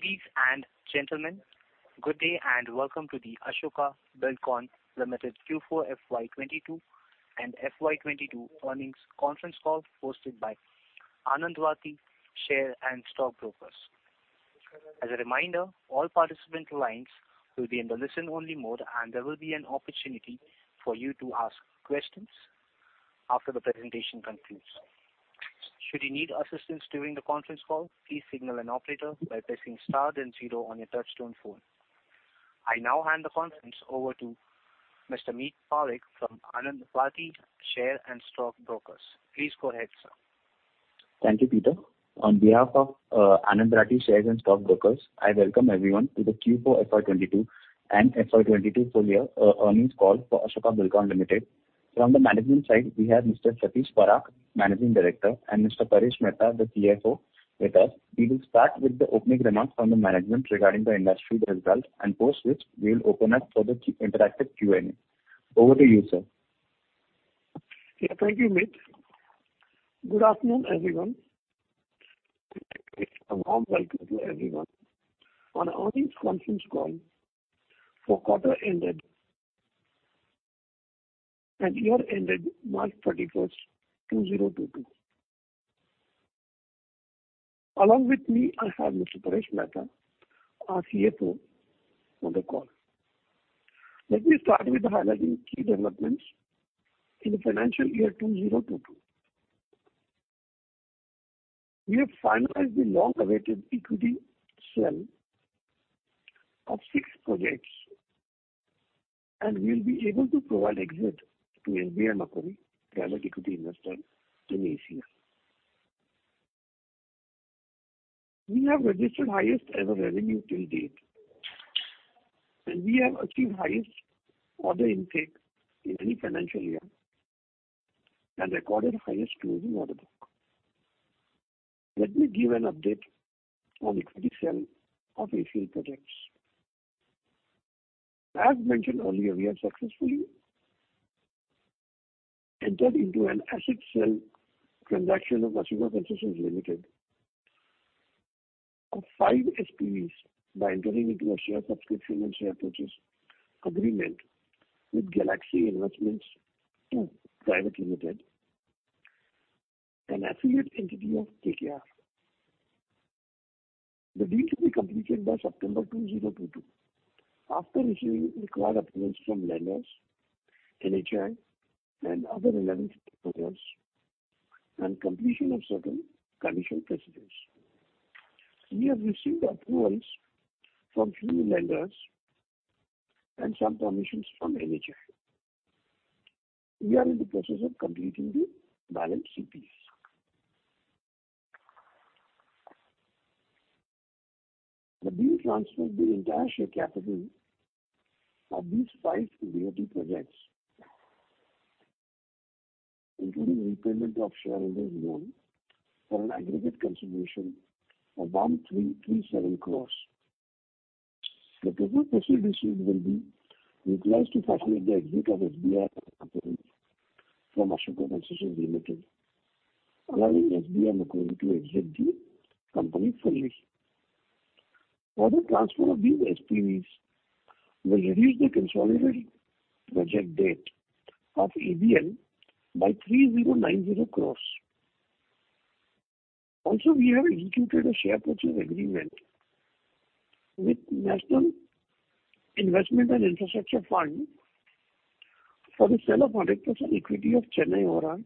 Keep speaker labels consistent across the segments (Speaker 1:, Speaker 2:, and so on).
Speaker 1: Ladies and gentlemen, good day and welcome to the Ashoka Buildcon Limited Q4 FY 22 and FY 22 Earnings Conference Call, hosted by Anand Rathi Share and Stock Brokers. As a reminder, all participant lines will be in the listen-only mode, and there will be an opportunity for you to ask questions after the presentation concludes. Should you need assistance during the conference call, please signal an operator by pressing star then zero on your touchtone phone. I now hand the conference over to Mr. Meet Parikh from Anand Rathi Share and Stock Brokers. Please go ahead, sir.
Speaker 2: Thank you, Peter. On behalf of Anand Rathi Share and Stock Brokers, I welcome everyone to the Q4 FY 2022 and FY 2022 full year earnings call for Ashoka Buildcon Limited. From the management side, we have Mr. Satish Parakh, Managing Director, and Mr. Paresh Mehta, the CFO, with us. We will start with the opening remarks from the management regarding the industry results, and post which we will open up for the interactive Q&A. Over to you, sir.
Speaker 3: Yeah, thank you, Meet. Good afternoon, everyone. A warm welcome to everyone on our earnings conference call for quarter ended and year ended 31 March, 2022. Along with me, I have Mr. Paresh Mehta, our CFO, on the call. Let me start with the highlighting key developments in the financial year 2022. We have finalized the long-awaited equity sale of 6 projects, and we'll be able to provide exit to SBI Macquarie, private equity investor in Asia. We have registered highest ever revenue till date, and we have achieved highest order intake in any financial year and recorded highest closing order book. Let me give an update on the equity sale of Ashoka projects. As mentioned earlier, we have successfully entered into an asset sale transaction of Ashoka Concessions Limited of five SPVs by entering into a share subscription and share purchase agreement with Galaxy Investments II Pte. Ltd., an affiliate entity of KKR. The deal to be completed by September 2022 after receiving required approvals from lenders, NHAI and other relevant authorities, and completion of certain conditions precedent. We have received approvals from a few lenders and some permissions from NHAI. We are in the process of completing the balance CPs. The deal transfers the entire share capital of these five realty projects, including repayment of shareholders' loan for an aggregate consideration of 1,337 crores. The total proceeds will be utilized to facilitate the exit of SBI Macquarie from Ashoka Concessions Limited, allowing SBI Macquarie to exit the company fully. The transfer of these SPVs will reduce the consolidated project debt of ABL by 3,090 crore. Also, we have executed a share purchase agreement with National Investment and Infrastructure Fund for the sale of 100% equity of Chennai Outer Ring Road,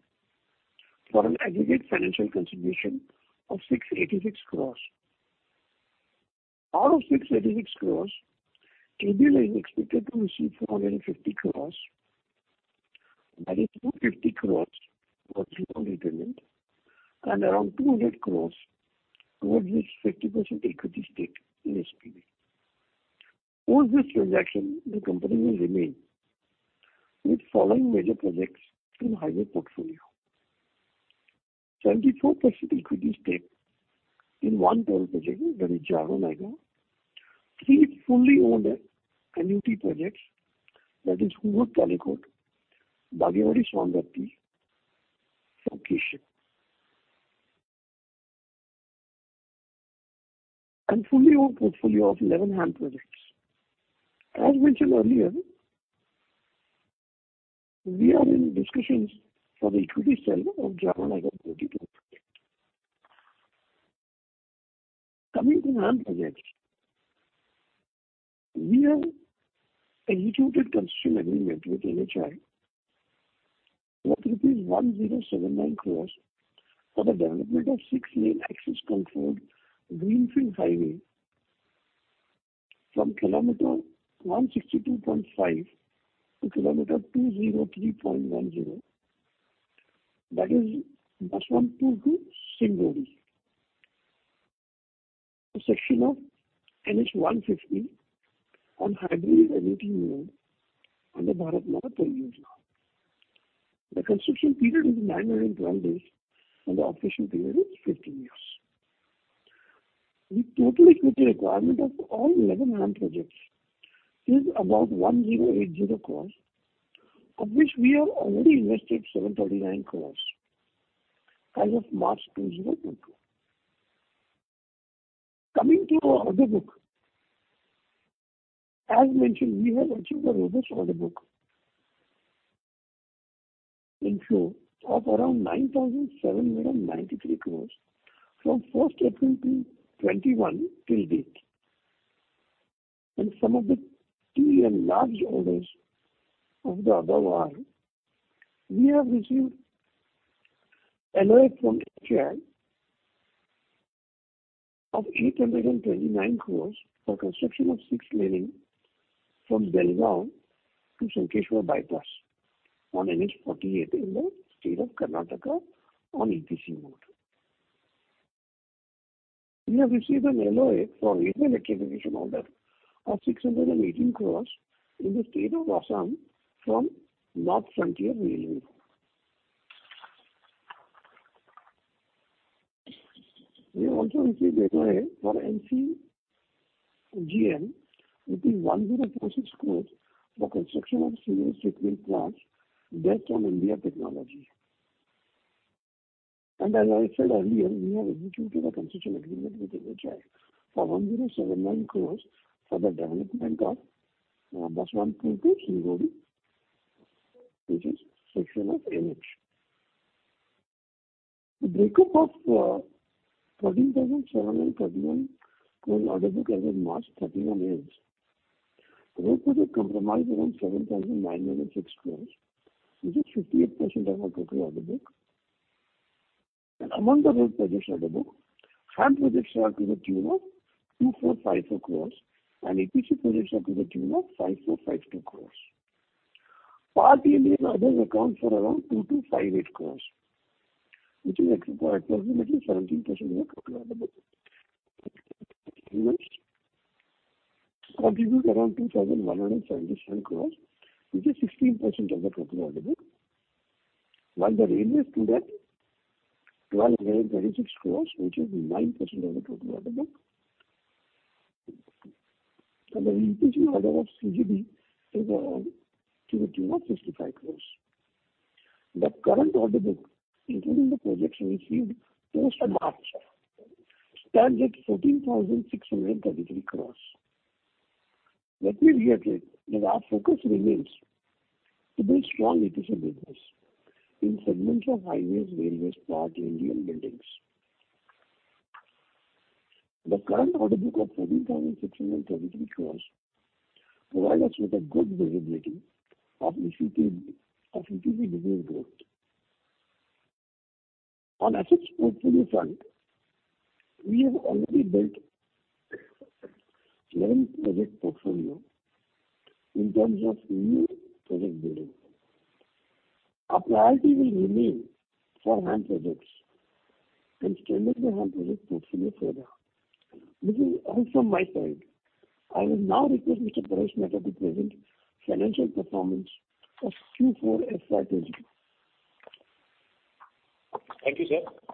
Speaker 3: for an aggregate financial consideration of 686 crore. Out of 686 crore, ABL is expected to receive 450 crore, that is 250 crore for loan repayment and around 200 crore towards its 50% equity stake in SPV. Post this transaction, the company will remain with the following major projects in highway portfolio: 74% equity stake in one toll project, that is Jaora-Nayagaon, three fully owned annuity projects, that is Hungund-Kudala, Bagewadi-Saundatti, and Kosi Bridge, and fully owned portfolio of 11 HAM projects. As mentioned earlier, we are in discussions for the equity sale of Jaora-Nayagaon project. Coming to HAM projects, we have executed construction agreement with NHAI for INR 1,079 crore for the development of six-lane access-controlled greenfield highway from kilometer 162.5 to kilometer 203.10. That is Baswantpur to Singnodi, a section of NH-150 on Hyderabad-Chennai road under Bharatmala Pariyojna. The construction period is 912 days, and the operation period is 15 years. The total equity requirement of all 11 HAM projects is about 1,080 crore, of which we have already invested 739 crore as of March 2022. Coming to our order book, as mentioned, we have received a robust order book inflow of around 9,793 crore from 1 April 2021 till date. Some of the key and large orders above are, we have received LOA from NHAI of 829 crore for construction of six-lane from Belagavi to Sankeshwar Bypass on NH-48 in the state of Karnataka on EPC mode. We have received an LOA for a railway electrification order of 618 crore in the state of Assam from Northeast Frontier Railway. We have also received LOA for MCGM, which is 110 crore for construction of a sewage treatment plant based on SBR technology. As I said earlier, we have executed a concession agreement with NHAI for 1,079 crore for the development of Basavantpur-Singnodi, which is a section of NH. The breakup of the 14,731 crore order book as of 31 March end. Road projects comprise around 7,906 crore, which is 58% of our total order book. Among the road projects order book, HAM projects are to the tune of 2,454 crore, and EPC projects are to the tune of 5,452 crore. Port, railway, and others account for around 2,258 crore, which is approximately 17% of our total order book. Railways contribute around 2,177 crore, which is 16% of the total order book, while the railways stood at 1,236 crore, which is 9% of the total order book. The EPC order of CGD is to the tune of INR 65 crore. The current order book, including the projects received post March, stands at INR 14,633 crore. Let me reiterate that our focus remains to build strong EPC business in segments of highways, railways, port, railway, and buildings. The current order book of 14,633 crore provides us with a good visibility of EPC business growth. On assets portfolio front, we have already built 11 project portfolio in terms of new project building. Our priority will remain for HAM projects and strengthen the HAM project portfolio further. This is all from my side. I will now request Mr. Paresh Mehta to present financial performance of Q4 FY 2022.
Speaker 4: Thank you, sir.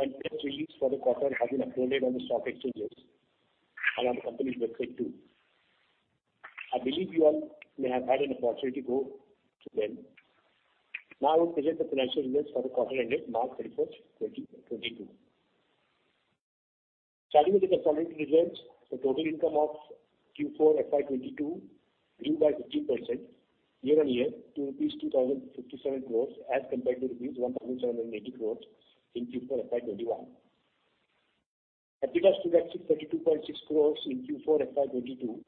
Speaker 4: The financial release for the quarter has been uploaded on the stock exchanges and on the company's website, too. I believe you all may have had an opportunity to go to them. Now, I will present the financial results for the quarter ended 31 March, 2022. Starting with the consolidated results, the total income of Q4 FY 2022 grew by 15% year-on-year to rupees 2,057 crores, as compared to rupees 1,780 crores in Q4 FY 2021. EBITDA stood at 632.6 crores in Q4 FY 2022,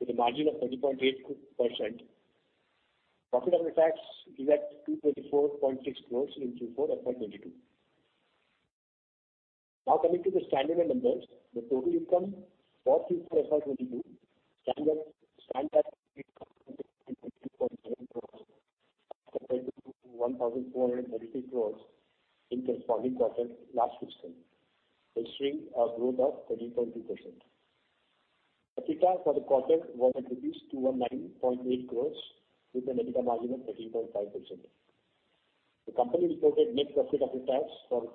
Speaker 4: with a margin of 30.8%. Profit after tax is at 224.6 crores in Q4 FY 2022. Now, coming to the standalone numbers, the total income for Q4 FY 2022 stands at INR 32.7 crores, compared to INR 1,433 crores in corresponding quarter last fiscal, a shrink or growth of 30.2%. EBITDA for the quarter was at 219.8 crores, with an EBITDA margin of 13.5%. The company reported net profit after tax for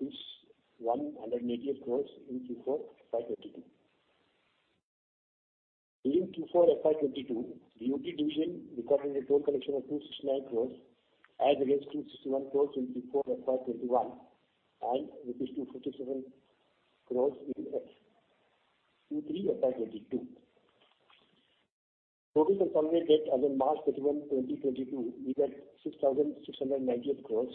Speaker 4: 188 crores in Q4 FY 2022. During Q4 FY 2022, the UT division recorded a total collection of 269 crores as against 261 crores in Q4 FY 2021 and INR 257 crores in Q3 FY 2022. Total consolidated as of 31 March, 2022, we get 6,698 crore,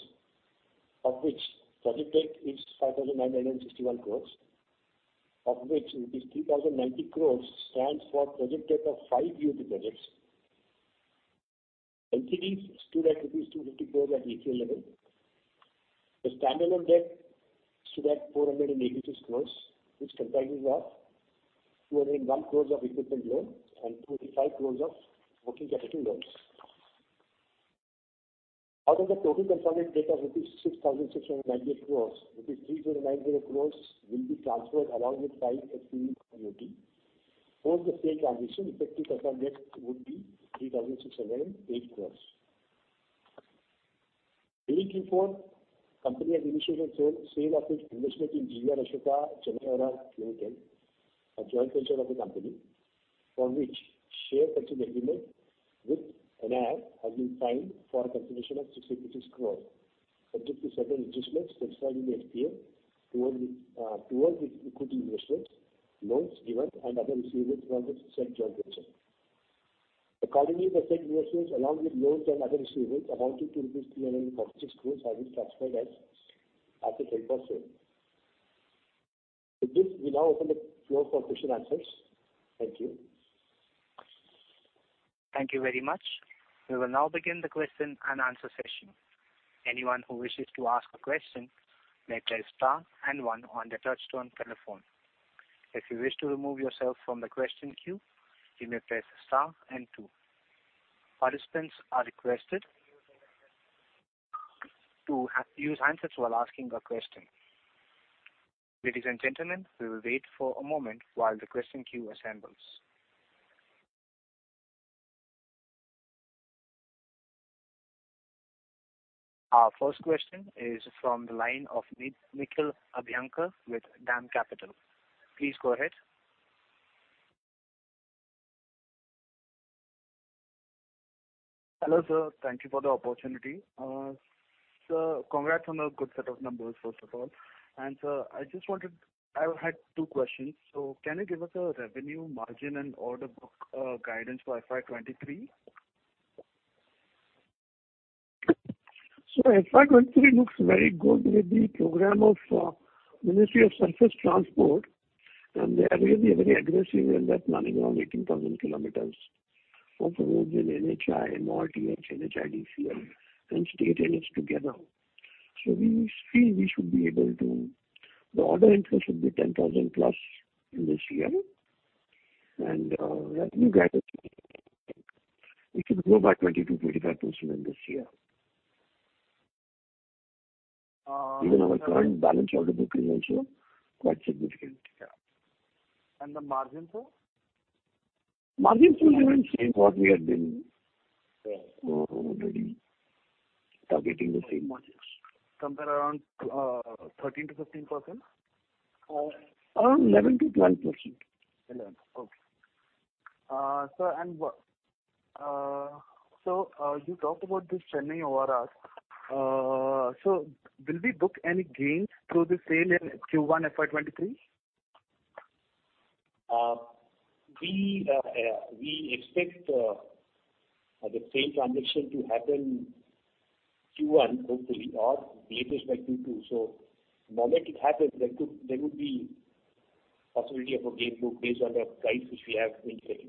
Speaker 4: of which project debt is 5,961 crore, of which 3,090 crore stands for project debt of five UT projects. NCDs stood at 250 crore at retail level. The standalone debt stood at 486 crore, which comprises of 201 crore of equipment loan and 25 crore of working capital loans. Out of the total consolidated debt of 6,698 crore, 3,900 crore will be transferred along with five SPV to UT. Post the state transition, effective consolidated debt would be 3,608 crore. Q4, company has initiated the sale of its investment in GVR Ashoka Chennai ORR JV, a joint venture of the company, for which share purchase agreement with NIIF has been signed for a consideration of 650 crores, subject to certain adjustments specified in the SPA towards the equity investment, loans given and other receivables from the said joint venture. Accordingly, the said investments, along with loans and other receivables amounting to INR 346 crores, have been classified as asset held for sale. With this, we now open the floor for question answers. Thank you.
Speaker 1: Thank you very much. We will now begin the question and answer session. Anyone who wishes to ask a question may press star and one on their touchtone telephone. If you wish to remove yourself from the question queue, you may press star and two. Participants are requested to use the handset while asking a question. Ladies and gentlemen, we will wait for a moment while the question queue assembles. Our first question is from the line of Nikhil Abhyankar with DAM Capital. Please go ahead.
Speaker 5: Hello, sir. Thank you for the opportunity. Sir, congrats on a good set of numbers, first of all. And, sir, I just wanted—I have had two questions. So can you give us a revenue margin and order book guidance for FY 2023?
Speaker 3: So FY 2023 looks very good with the program of Ministry of Road Transport and Highways, and they are really very aggressive in that planning around 18,000 kilometers of roads in NHAI, MoRTH, NHIDCL, and state entities together. So we feel we should be able to... The order entry should be 10,000 plus in this year, and revenue guidance, it should grow by 20% to 25% in this year. Even our current balance order book is also quite significant.
Speaker 5: Yeah. And the margin, sir?
Speaker 3: Margins will remain same what we have been-
Speaker 5: Yeah.
Speaker 3: - already targeting the same margins.
Speaker 5: Somewhere around, 13% to 15%?
Speaker 3: Around 11% to 12%.
Speaker 5: 11, okay. Sir, and what... So, you talked about this Chennai ORR. So will we book any gains through the sale in Q1 FY 2023?
Speaker 4: We expect the sale transaction to happen Q1, hopefully, or latest by Q2. So the moment it happens, there could, there would be possibility of a gain book based on the price which we have been saying.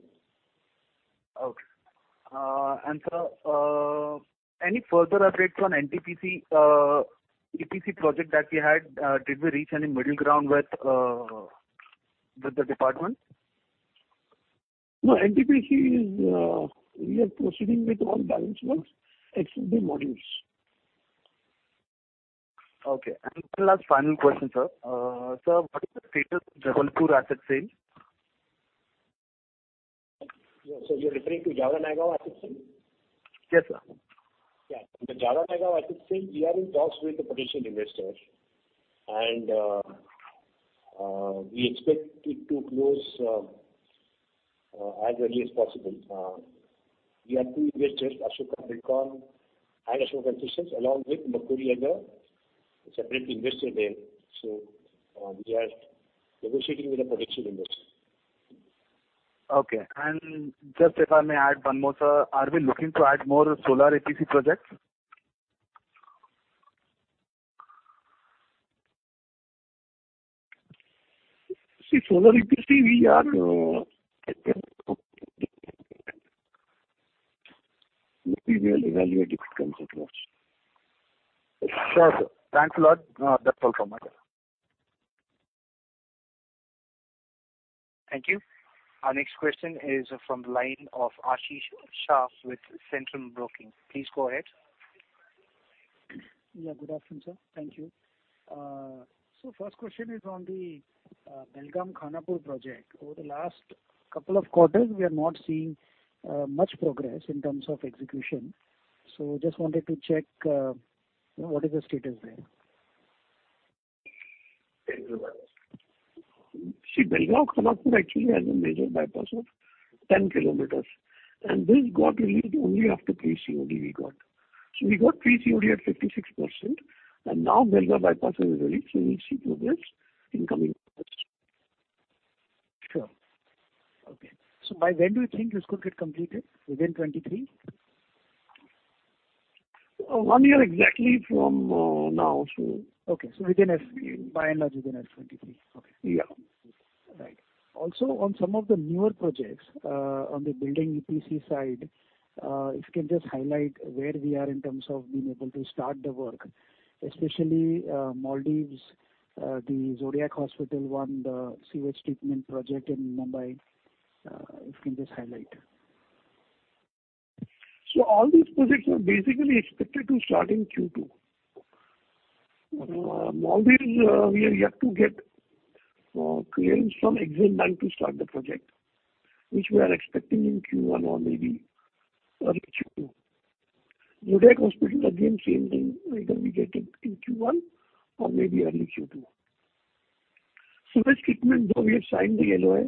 Speaker 5: Okay. And, sir, any further updates on NTPC EPC project that we had? Did we reach any middle ground with the department?
Speaker 3: No, NTPC is, we are proceeding with all balance works, except the modules.
Speaker 5: Okay. And one last final question, sir. Sir, what is the status of Jabalpur asset sale?
Speaker 4: So you're referring to Jaora-Nayagaon asset sale?
Speaker 5: Yes, sir.
Speaker 4: Yeah, the Jaora-Nayagaon asset sale, we are in talks with the potential investor, and we expect it to close as early as possible. We have two investors, Ashoka Buildcon and Ashoka Concessions, along with Macquarie, as a separate investor there. So, we are negotiating with a potential investor.
Speaker 5: Okay. And just if I may add one more, sir, are we looking to add more solar EPC projects?
Speaker 3: See, solar EPC, we will evaluate if it comes across.
Speaker 5: Sure, sir. Thanks a lot. That's all from my side.
Speaker 1: Thank you. Our next question is from the line of Ashish Shah with Centrum Broking. Please go ahead.
Speaker 6: Yeah, good afternoon, sir. Thank you. First question is on the Belagavi-Khanapur project. Over the last couple of quarters, we are not seeing much progress in terms of execution. Just wanted to check what is the status there?
Speaker 3: See, Belagavi-Khanapur actually has a major bypass of 10 km, and this got relieved only after pre-COD we got. So we got pre-COD at 56%, and now Belagavi bypass is released, so we'll see progress in coming months.
Speaker 6: Sure. Okay. So by when do you think this could get completed, within 2023?
Speaker 3: One year exactly from now, so-
Speaker 6: Okay. So, by and large, within FY 23.
Speaker 3: Yeah.
Speaker 6: Right. Also, on some of the newer projects, on the building EPC side, if you can just highlight where we are in terms of being able to start the work, especially, Maldives, the Zodiac Hospital one, the sewage treatment project in Mumbai, if you can just highlight.
Speaker 3: So all these projects were basically expected to start in Q2. Maldives, we are yet to get clearance from Exim Bank to start the project, which we are expecting in Q1 or maybe early Q2. Jodiek Hospital, again, same thing, either we get it in Q1 or maybe early Q2. So sewage treatment, though, we have signed the LOI,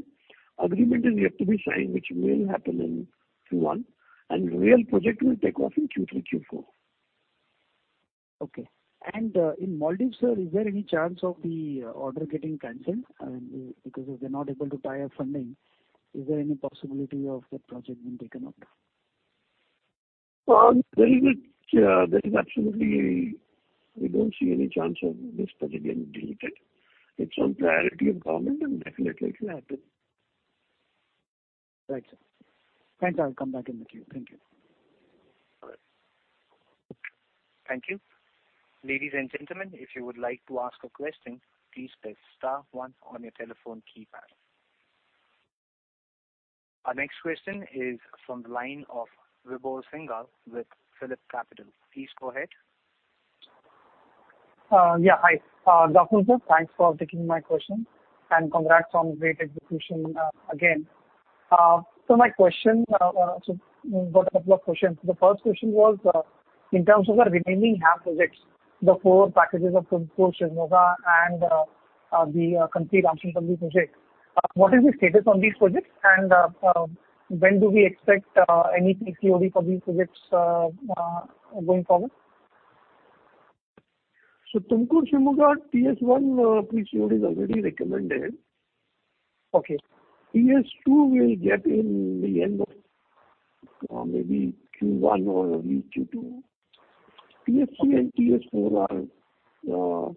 Speaker 3: agreement is yet to be signed, which will happen in Q1, and real project will take off in Q3, Q4.
Speaker 4: Okay. In Maldives, sir, is there any chance of the order getting canceled? I mean, because if they're not able to tie up funding, is there any possibility of that project being taken out?
Speaker 3: Well, there is absolutely no chance of this project being deleted. It's on priority of government, and definitely it will happen.
Speaker 4: Right, sir. Thanks, I'll come back in the queue. Thank you.
Speaker 3: All right.
Speaker 1: Thank you. Ladies and gentlemen, if you would like to ask a question, please press star one on your telephone keypad. Our next question is from the line of Vibhor Singhal with PhillipCapital. Please go ahead.
Speaker 7: Yeah. Hi, good afternoon, sir. Thanks for taking my question, and congrats on great execution, again. So my question, so got a couple of questions. The first question was, in terms of the remaining HAM projects, the four packages of Tumakuru-Shivamogga, and the complete Kandi-Ramsanpalle project. What is the status on these projects, and when do we expect any COD for these projects, going forward?
Speaker 3: Tumakuru, Shivamogga, PS1, COD is already recommended.
Speaker 7: Okay.
Speaker 3: PS2, we'll get in the end of, maybe Q1 or early Q2. PS3 and PS4 are,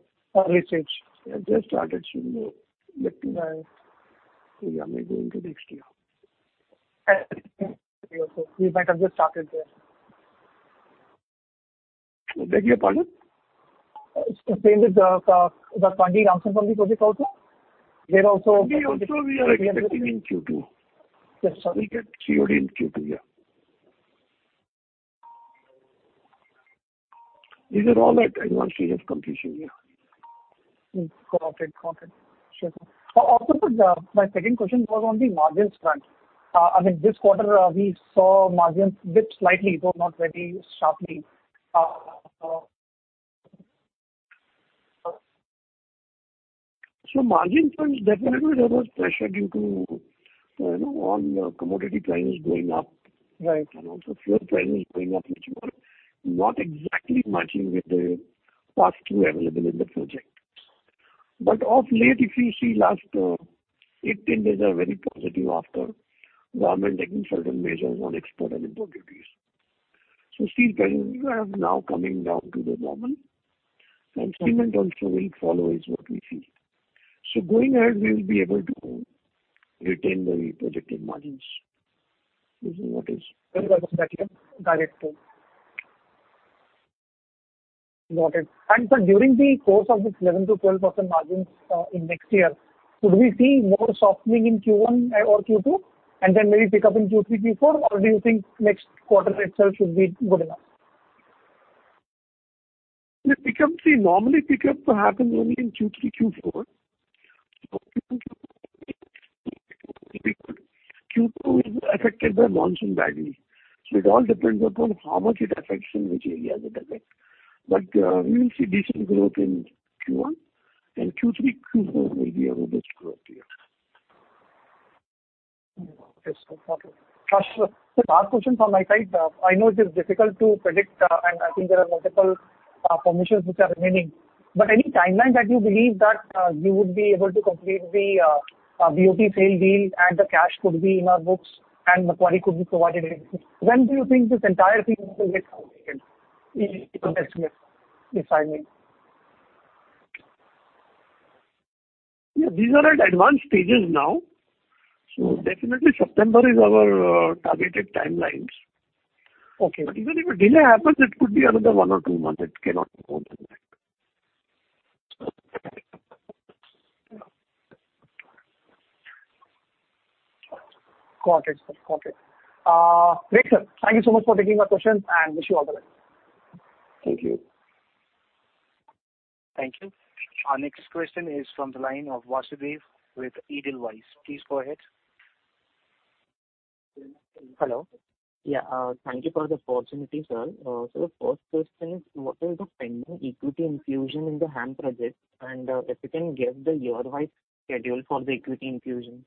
Speaker 7: fresh.
Speaker 3: They just started, should go getting by, so yeah, maybe into next year.
Speaker 7: You might have just started there.
Speaker 3: Beg your pardon?
Speaker 7: Same with the Kandi-Ramsanpalle project also. There also-
Speaker 3: We also, we are expecting in Q2.
Speaker 7: Yes, sorry.
Speaker 3: We get COD in Q2, yeah. These are all at advanced stage of completion, yeah.
Speaker 7: Got it. Got it. Sure, sir. Also, sir, my second question was on the margins front. I mean, this quarter, we saw margins dip slightly, though not very sharply.
Speaker 3: Margin front, definitely there was pressure due to, you know, on commodity prices going up.
Speaker 7: Right.
Speaker 3: And also fuel prices going up, which were not exactly matching with the pass-through available in the project. But of late, if you see, last 8 to 10 days are very positive after government taking certain measures on export and import duties. So steel prices are now coming down to the normal, and cement also will follow, is what we see. So going ahead, we'll be able to retain the projected margins. This is what is-
Speaker 7: That's direct to... Got it. Sir, during the course of this 11% to 12% margins, in next year, should we see more softening in Q1 or Q2, and then maybe pick up in Q3, Q4? Or do you think next quarter itself should be good enough?
Speaker 3: The pick up, see, normally, pick up will happen only in Q3, Q4. Q2 is affected by monsoon badly, so it all depends upon how much it affects, in which areas it affects. But, we will see decent growth in Q1, and Q3, Q4 will be our best growth year.
Speaker 7: Okay. So got it. Last question from my side. I know it is difficult to predict, and I think there are multiple permissions which are remaining. But any timeline that you believe that you would be able to complete the BOT sale deal, and the cash could be in our books and Macquarie could be provided? When do you think this entire thing will get completed, in your estimate, if I may?
Speaker 3: Yeah, these are at advanced stages now. So definitely, September is our targeted timelines.
Speaker 7: Okay.
Speaker 3: But even if a delay happens, it could be another 1 or 2 months. It cannot go more than that.
Speaker 7: Got it, sir. Got it. Great, sir. Thank you so much for taking my questions, and wish you all the best.
Speaker 3: Thank you.
Speaker 1: Thank you. Our next question is from the line of Vasudev with Edelweiss. Please go ahead.
Speaker 8: Hello. Yeah, thank you for the opportunity, sir. So the first question is, what is the pending equity infusion in the HAM projects? And, if you can give the year-wise schedule for the equity infusion?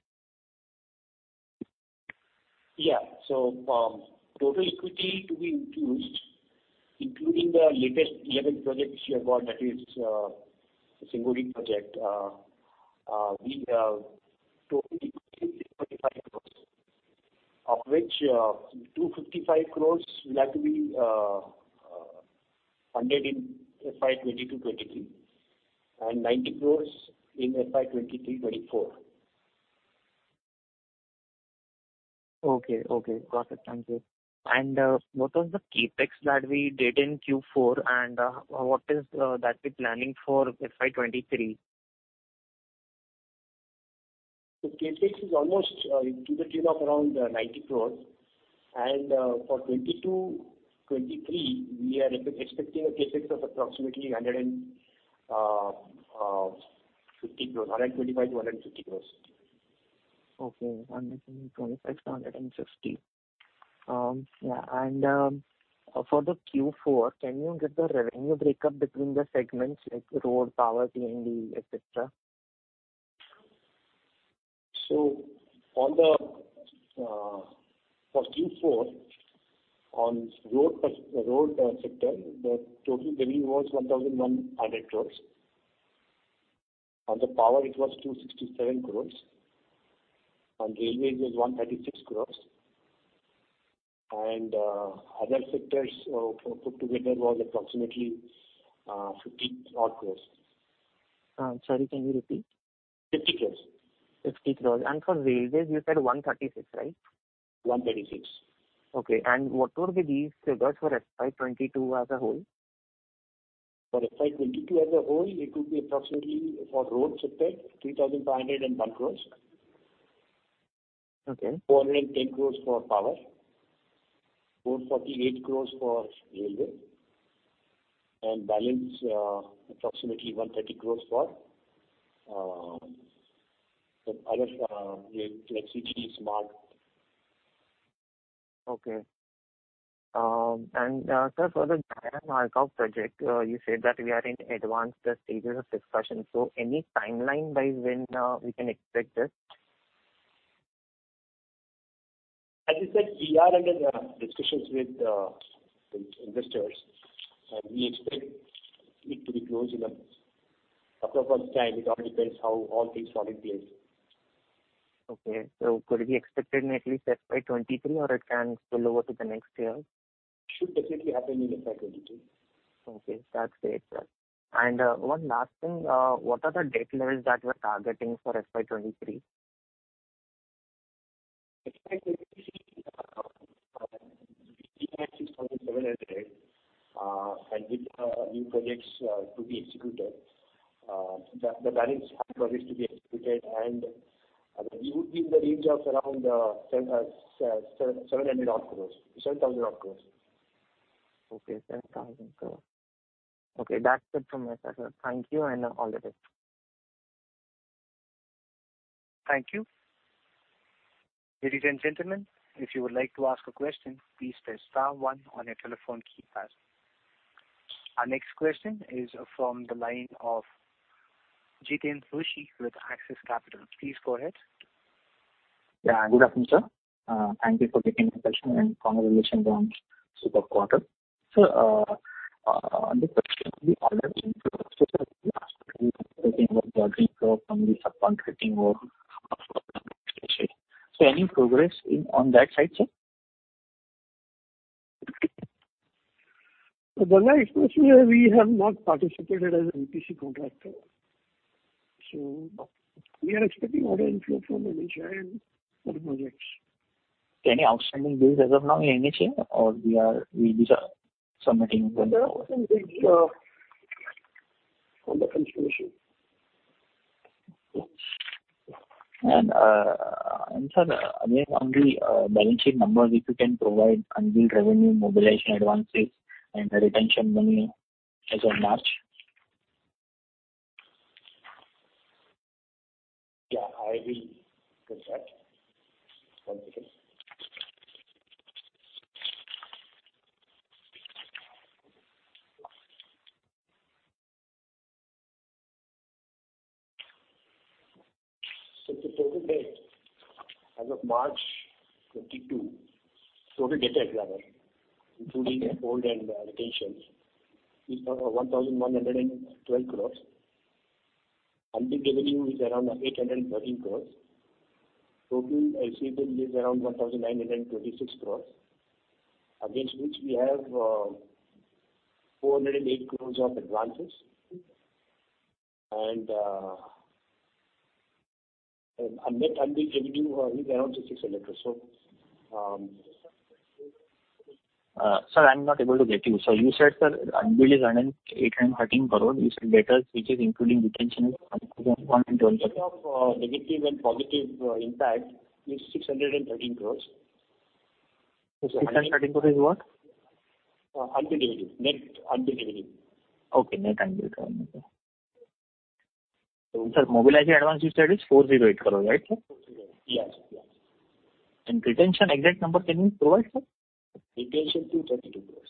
Speaker 4: Yeah. So, total equity to be infused, including the latest 11 projects we have got, that is, the Singnodi project, we have total equity, 35 crore. Of which, 255 crore will have to be funded in FY 2022-23, and 90 crore in FY 2023-24.
Speaker 8: Okay. Okay, got it. Thank you. And what was the CapEx that we did in Q4, and what is that we're planning for FY 23?...
Speaker 4: So CapEx is almost to the tune of around 90 crores. And for 2022 to 2023, we are expecting a CapEx of approximately 150 crores, 125 to 150 crores.
Speaker 8: Okay. 125 to 150. For the Q4, can you give the revenue break up between the segments, like road, power, railway, et cetera?
Speaker 4: So on the for Q4, on road sector, the total revenue was 1,100 crores. On the power, it was 267 crores. On railway, it was 136 crores. And other sectors put together was approximately 50 odd crores.
Speaker 8: Sorry, can you repeat?
Speaker 4: 50 crores.
Speaker 8: 50 crore. And for railways, you said 136 crore, right?
Speaker 4: One thirty-six.
Speaker 8: Okay. And what would be these figures for FY 22 as a whole?
Speaker 4: For FY 2022 as a whole, it would be approximately for road sector, 3,501 crore.
Speaker 8: Okay.
Speaker 4: 408 crore for power, 448 crore for railway, and balance, approximately 130 crore for the other, like CT smart.
Speaker 8: Okay. Sir, for the Jaora-Nayagaon project, you said that we are in advanced stages of discussion. Any timeline by when we can expect this?
Speaker 4: As I said, we are under discussions with investors, and we expect it to be closed in a proper time. It all depends how all things fall in place.
Speaker 8: Okay. So could we expect it in at least FY23, or it can spill over to the next year?
Speaker 4: Should definitely happen in FY 2022.
Speaker 8: Okay, that's great, sir. One last thing, what are the debt levels that we're targeting for FY 23?
Speaker 4: Expect 23, and with new projects to be executed, the balance is to be executed, and we would be in the range of around INR 700-odd crores, INR 7,000-odd crores.
Speaker 8: Okay, INR 7,000 crore. Okay, that's it from my side, sir. Thank you, and all the best.
Speaker 1: Thank you. Ladies and gentlemen, if you would like to ask a question, please press star one on your telephone keypad. Our next question is from the line of Jiten Rushi with Axis Capital. Please go ahead.
Speaker 9: Yeah, good afternoon, sir. Thank you for taking the question, and congratulations on super quarter. So, on the question, we all have been so any progress in on that side, sir?
Speaker 4: So Ganga Expressway, we have not participated as an EPC contractor. So we are expecting order inflow from NHAI for the projects.
Speaker 9: Any outstanding bills as of now in NHAI, or are we submitting them?
Speaker 4: There are some things on the construction.
Speaker 9: Sir, again, on the balance sheet numbers, if you can provide unbilled revenue, mobilization advances, and the retention money as of March?
Speaker 4: Yeah, I will do that. One second. So the total debt as of March 2022, total debt as well, including old and retentions, is INR 1,112 crore. Unbilled revenue is around INR 813 crore. Total receivable is around 1,926 crore, against which we have 408 crore of advances. And unbilled revenue is around 600 crore. So,
Speaker 9: Sir, I'm not able to get you. So you said, sir, unbilled is around 813 crore. You said debtors, which is including retention, 1,012-
Speaker 4: Of negative and positive impact is 613 crore.
Speaker 9: 613 crores is what?
Speaker 4: Unbilled revenue. Net unbilled revenue.
Speaker 9: Okay, net unbilled revenue. So, sir, mobilized advance you said is INR 408 crore, right, sir?
Speaker 4: Yes, yes.
Speaker 9: Retention, exact number can you provide, sir?
Speaker 4: Retention, INR 232 crore.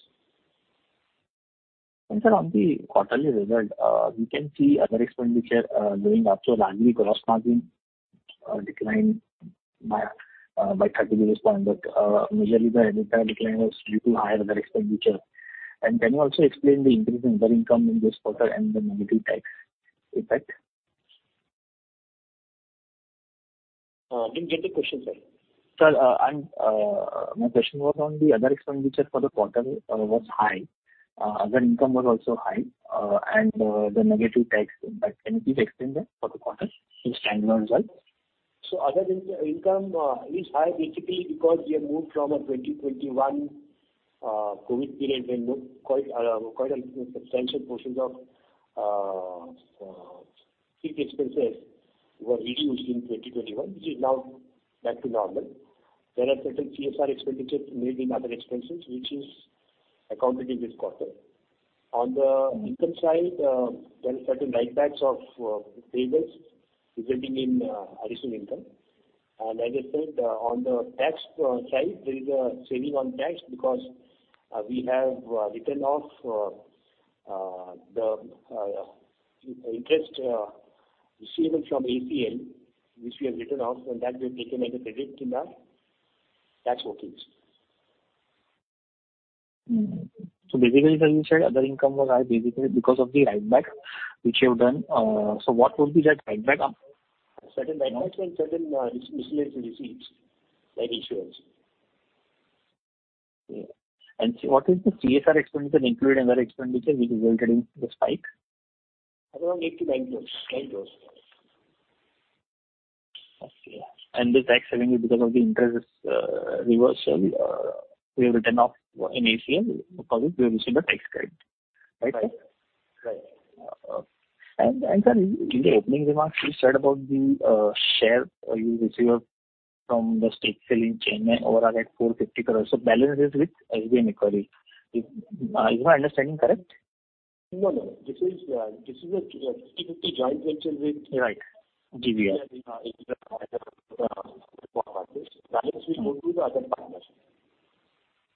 Speaker 9: Sir, on the quarterly result, we can see other expenditure going up, so largely gross margin declined by 30 basis point. But, majorly the EBITDA decline was due to higher other expenditure. And can you also explain the increase in other income in this quarter and the negative tax effect?
Speaker 4: I didn't get the question, sir.
Speaker 9: Sir, my question was on the other expenditure for the quarter, was high, other income was also high, and the negative tax impact. Can you please explain that for the quarter, this final result?
Speaker 4: So other income is high basically because we have moved from a 2021 COVID period when quite a substantial portion of fixed expenses were reduced in 2021, which is now back to normal. There are certain CSR expenditures made in other expenses, which is accounted in this quarter. On the income side, there are certain write-backs of payables resulting in additional income. And as I said, on the tax side, there is a saving on tax because we have written off the interest receivable from ACL, which we have written off, and that we have taken as a credit in our tax workings.
Speaker 9: Basically, as you said, other income was high, basically because of the write-back which you have done. What would be that write-back?
Speaker 4: Certain write-backs and certain, miscellaneous receipts, like insurance.
Speaker 9: Okay. And what is the CSR expenditure included in other expenditures, which resulted in the spike?
Speaker 4: Around INR 85 million, right.
Speaker 9: Okay. And this tax saving is because of the interest reversal, we have written off in ACL, because we received the tax credit, right, sir?
Speaker 4: Right.
Speaker 9: Sir, in the opening remarks, you said about the share you received from the state sale in Chennai overall at 450 crore. So balance is with GVR Equity. Is my understanding correct?
Speaker 4: No, no. This is, this is a joint venture with-
Speaker 9: Right. GVR.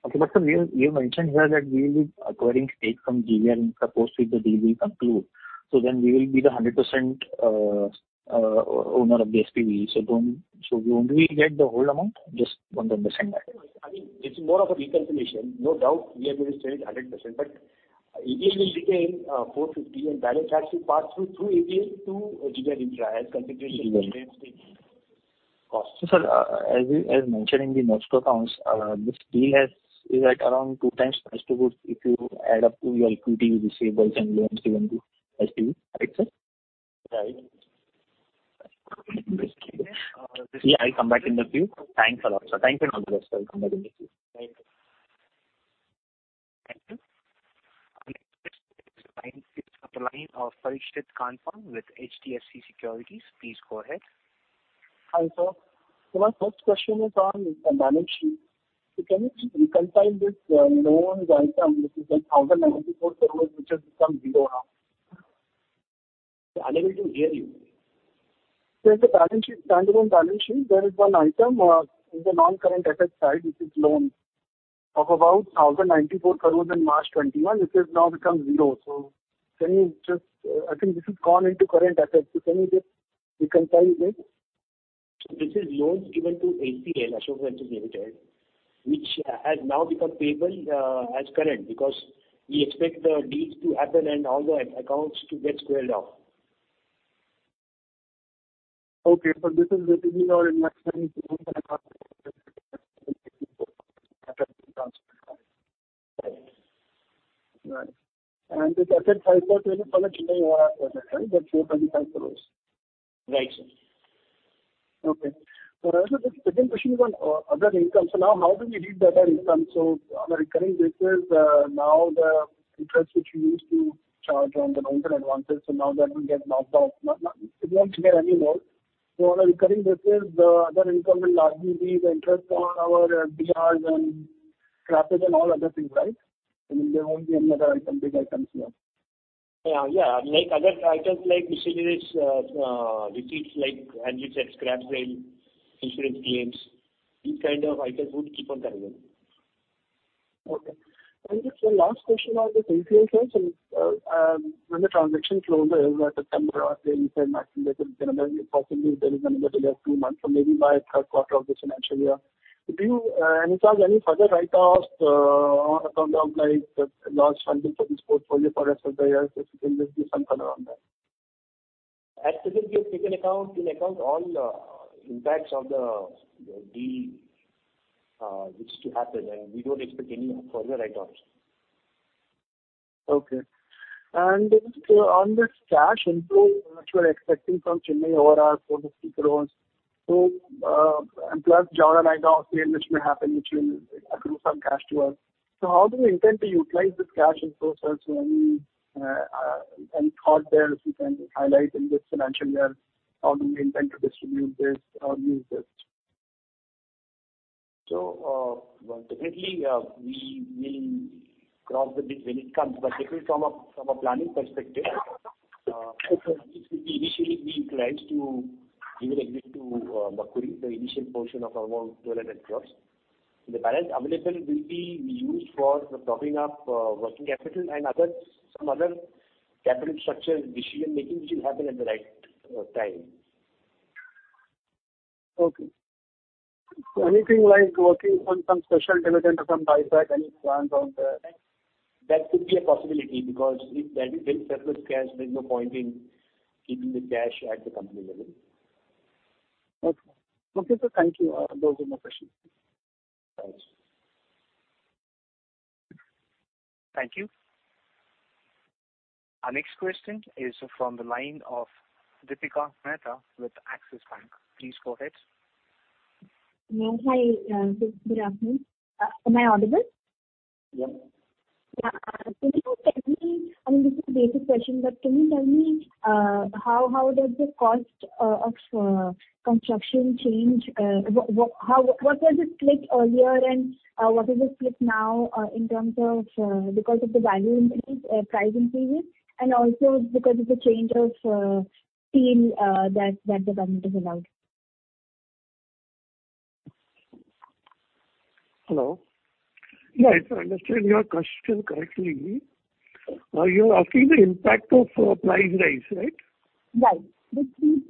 Speaker 9: Okay, but sir, you mentioned here that we will be acquiring stake from GVR and supposed to the deal will conclude. So then we will be the 100%, owner of the SPV. So don't— So we only get the whole amount just on the mission?
Speaker 4: I mean, it's more of a recalculation. No doubt, we are going to change 100%, but APA will retain 450, and balance sheet pass through through APA to GVR Infra as consideration.
Speaker 9: Sir, as mentioned in the notes to accounts, this deal is at around 2x price to book, if you add up your equity, receivables and loans given to SPV. Right, sir?
Speaker 4: Right.
Speaker 9: Yeah, I'll come back in the queue. Thanks a lot, sir. Thank you very much, sir. I'll come back in the queue.
Speaker 4: Thank you.
Speaker 1: Thank you. Next is the line of Parikshit Kandpal with HDFC Securities. Please go ahead.
Speaker 10: Hi, sir. So my first question is on the balance sheet. So can you please reconcile this, loans item, which is 1,094 crore, which has become zero now?
Speaker 4: I'm unable to hear you.
Speaker 10: In the balance sheet, standalone balance sheet, there is one item in the non-current asset side, which is loans of about 1,094 crore in March 2021, which has now become zero. I think this has gone into current assets. Can you just reconcile this?
Speaker 4: This is loans given to ACL, Ashoka Buildcon Limited, which has now become payable as current, because we expect the deals to happen and all the accounts to get squared off.
Speaker 10: Okay, so this is literally not in my time, right? This asset side, so it will come from Chennai overall, right? That's INR 425 crore.
Speaker 4: Right, sir.
Speaker 10: Okay. So another quick question on other income. So now, how do we read the other income? So on a recurring basis, now the interest which we used to charge on the loans and advances, so now that will get knocked off. Not, not, it won't get any more. So on a recurring basis, the other income will largely be the interest on our DRs and trappings and all other things, right? I mean, there won't be another item, big item here.
Speaker 4: Yeah, yeah. Like, other items like miscellaneous, receipts, like, as you said, scrap sale, insurance claims, these kind of items would keep on coming in.
Speaker 10: Okay. And just one last question on this ACL, sir. So, when the transaction closes in September, or say, you said maximum, possibly there is another delay of two months, so maybe by Q3 of this financial year. Do you anticipate any further write-offs, on account of, like, large funding for this portfolio for rest of the year? If you can just give some color on that.
Speaker 4: As such, we have taken into account all the impacts of the deal which is to happen, and we don't expect any further write-offs.
Speaker 10: Okay. And on this cash inflow, which we're expecting from Chennai overall, INR 450 crore. So, and plus general write-offs, which may happen, which will accrue some cash to us. So how do you intend to utilize this cash inflow, sir? So any, any thought there you can highlight in this financial year, how do we intend to distribute this or use this?
Speaker 4: So, definitely, we will cross the bridge when it comes, but definitely from a planning perspective, initially, we intend to give it away to Macquarie, the initial portion of around INR 1,200 crore. The balance available will be used for the propping up of working capital and other, some other capital structure decision-making, which will happen at the right time.
Speaker 10: Okay. Anything like working on some special dividend or some buyback, any plans on there?
Speaker 4: That could be a possibility, because if there is surplus cash, there's no point in keeping the cash at the company level.
Speaker 10: Okay. Okay, sir, thank you. Those are my questions.
Speaker 4: Thanks.
Speaker 1: Thank you. Our next question is from the line of Deepika Mundra with Axis Bank. Please go ahead.
Speaker 11: Yeah, hi, good afternoon. Am I audible?
Speaker 4: Yes.
Speaker 11: Yeah, can you tell me, I mean, this is a basic question, but can you tell me how does the cost of construction change? What was it split earlier, and what is it split now, in terms of because of the value increase, price increases, and also because of the change of team that the government has allowed?
Speaker 3: Hello. Yeah, if I understand your question correctly, you're asking the impact of price rise, right?
Speaker 11: Right, which is,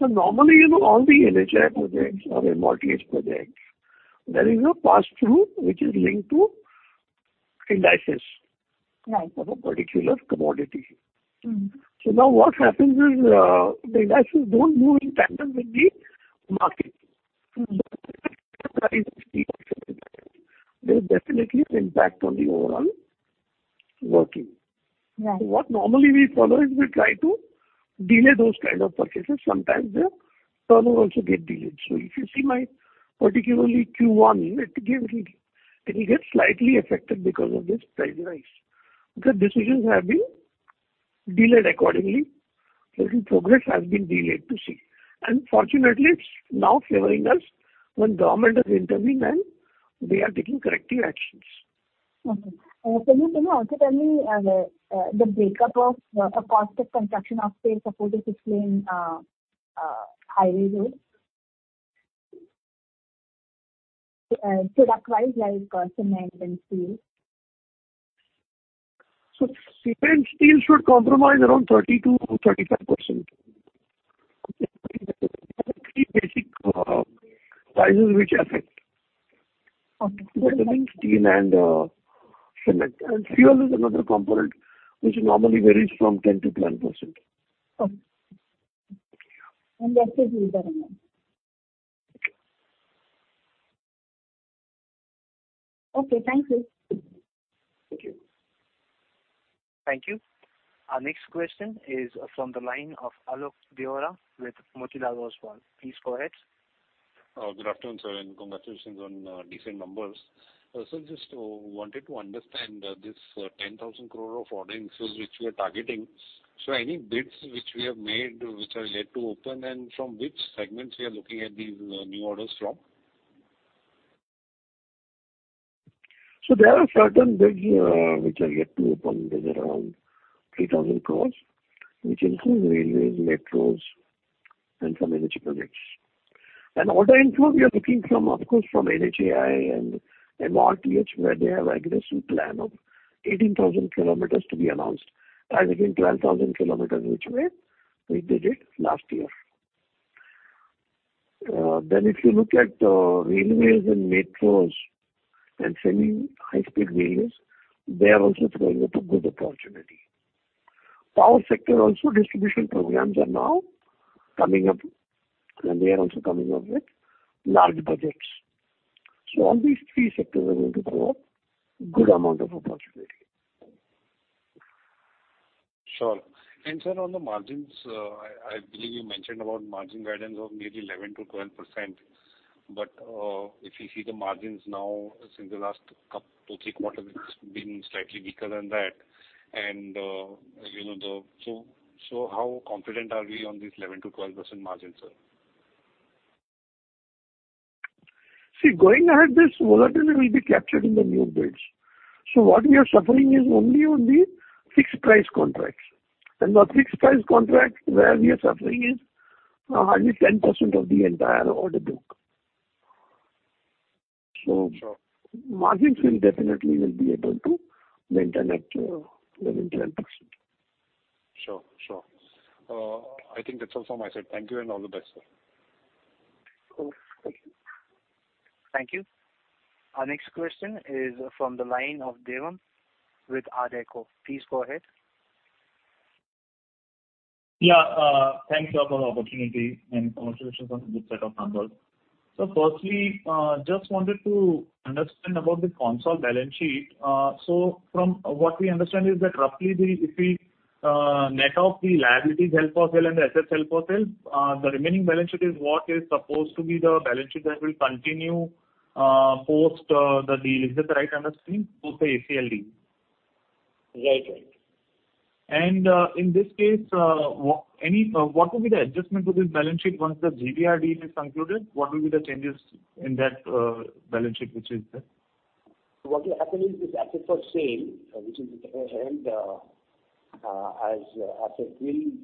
Speaker 3: Normally, you know, all the NHAI projects or MoRTH projects, there is a pass-through, which is linked to indices of a particular commodity. So now, what happens is, the indices don't move in tandem with the market. There's definitely an impact on the overall working.
Speaker 11: Right.
Speaker 3: So what normally we follow is we try to delay those kind of purchases. Sometimes the turnover also get delayed. So if you see my particularly Q1, it gives, it will get slightly affected because of this price rise. The decisions have been delayed accordingly, so the progress has been delayed to see. And fortunately, it's now favoring us when government has intervened, and they are taking corrective actions.
Speaker 11: Okay. Can you, can you also tell me, the breakup of, cost of construction of say, suppose it is in, highway roads? So the price rise, cement and steel.
Speaker 3: So cement and steel should comprise around 30% to 35%. The three basic prices which affect-
Speaker 11: Okay.
Speaker 3: Cement and steel and cement. Fuel is another component, which normally varies from 10% to 10%.
Speaker 11: Okay.
Speaker 3: Yeah.
Speaker 11: Rest is okay, thank you.
Speaker 3: Thank you.
Speaker 1: Thank you. Our next question is from the line of Alok Deora with Motilal Oswal. Please go ahead.
Speaker 12: Good afternoon, sir, and congratulations on decent numbers. Just wanted to understand this 10,000 crore of order inflows which you are targeting. Any bids which we have made, which are yet to open, and from which segments we are looking at these new orders from?
Speaker 3: So there are certain bids which are yet to open. There's around 3,000 crore, which include railways, metros and some NHAI projects. Order inflows, we are looking from, of course, from NHAI and MoRTH, where they have aggressive plan of 18,000 kilometers to be announced, as against 12,000 kilometers, which we did it last year. Then if you look at railways and metros and semi-high speed railways, they are also proving a good opportunity. Power sector also, distribution programs are now coming up, and they are also coming up with large budgets. So all these three sectors are going to grow good amount of opportunity.
Speaker 12: Sure. And sir, on the margins, I believe you mentioned about margin guidance of maybe 11% to 12%, but if you see the margins now since the last couple, 2 to 3 quarters, it's been slightly weaker than that. And you know, so how confident are we on this 11% to 12% margin, sir?
Speaker 3: See, going ahead, this volatility will be captured in the new bids. So what we are suffering is only on the fixed price contracts. And the fixed price contract, where we are suffering is, hardly 10% of the entire order book.
Speaker 12: Sure.
Speaker 3: Margins will definitely be able to maintain at 11% to 12%.
Speaker 12: Sure, sure. I think that's all from my side. Thank you and all the best, sir.
Speaker 3: Okay, thank you.
Speaker 1: Thank you. Our next question is from the line of Devang Patel with RReco. Please go ahead.
Speaker 13: Yeah, thanks a lot for the opportunity, and congratulations on the good set of numbers. So firstly, just wanted to understand about the consolidated balance sheet. So from what we understand is that roughly the, if we, net off the liabilities held for sale and assets held for sale, the remaining balance sheet is what is supposed to be the balance sheet that will continue, post, the deal. Is that the right understanding, post the ACL deal?
Speaker 4: Right. Right.
Speaker 13: In this case, what, any, what will be the adjustment to this balance sheet once the GVR deal is concluded? What will be the changes in that balance sheet, which is there?
Speaker 4: What will happen is, this asset for sale, which is an asset, will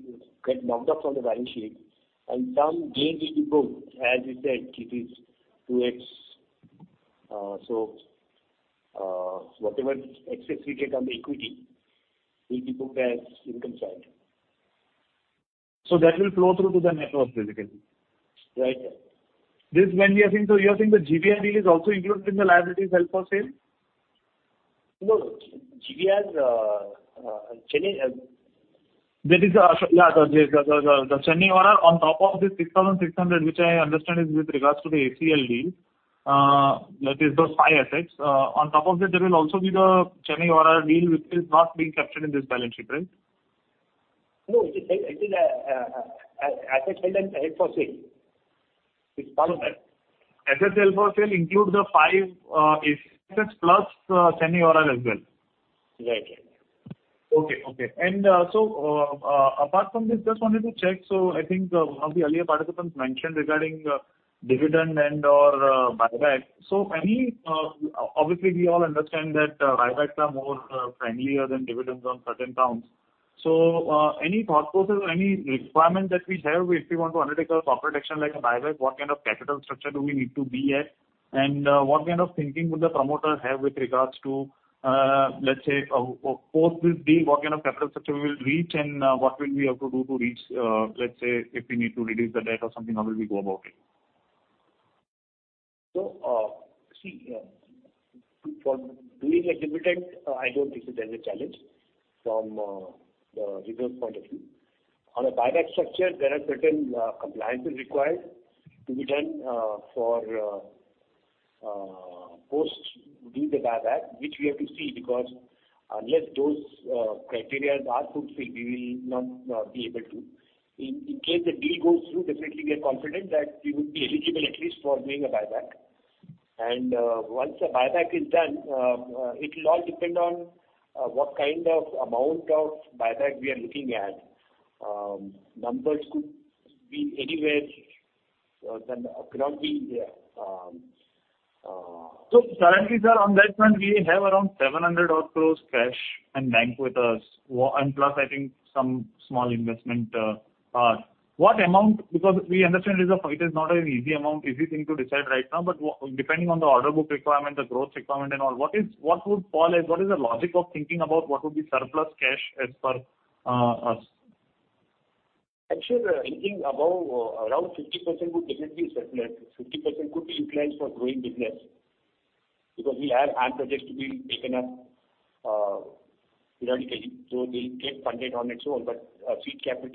Speaker 4: get knocked off from the balance sheet, and some gain will be booked. As you said, it is 2x. So, whatever excess we get on the equity will be booked as income side.
Speaker 13: That will flow through to the net worth, basically?
Speaker 4: Right.
Speaker 13: This when we are saying, so you are saying the GVR deal is also included in the liabilities held for sale?
Speaker 4: No, GVR's change....
Speaker 13: That is the Chennai order on top of the 6,600, which I understand is with regards to the ACL deal, that is those five assets. On top of that, there will also be the Chennai order deal which is not being captured in this balance sheet, right?
Speaker 4: No, it is asset held for sale. It's part of that.
Speaker 13: Asset held for sale includes the five assets plus Chennai order as well?
Speaker 4: Right.
Speaker 13: Okay, okay. And so, apart from this, just wanted to check. So I think one of the earlier participants mentioned regarding dividend and/or buyback. So any, obviously, we all understand that buybacks are more friendlier than dividends on certain counts. So any thought process or any requirement that we have if we want to undertake a corporate action like a buyback, what kind of capital structure do we need to be at? And what kind of thinking would the promoter have with regards to, let's say, post this deal, what kind of capital structure we will reach, and what will we have to do to reach, let's say, if we need to reduce the debt or something, how will we go about it?
Speaker 4: So, see, for doing a dividend, I don't think that there's a challenge from the group's point of view. On a buyback structure, there are certain compliances required to be done, for post doing the buyback, which we have to see, because unless those criteria are fulfilled, we will not be able to. In case the deal goes through, definitely we are confident that we would be eligible at least for doing a buyback. And once the buyback is done, it will all depend on what kind of amount of buyback we are looking at. Numbers could be anywhere than around the
Speaker 13: So currently, sir, on that front, we have around INR 700 crore cash in bank with us, and plus, I think some small investment. What amount—Because we understand it is a, it is not an easy amount, easy thing to decide right now, but depending on the order book requirement, the growth requirement and all, what is, what would call it, what is the logic of thinking about what would be surplus cash as per, us?
Speaker 4: Actually, anything above around 50% would definitely be surplus. 50% could be utilized for growing business, because we have HAM projects to be taken up, periodically, so they'll get funded on its own. But, seed capital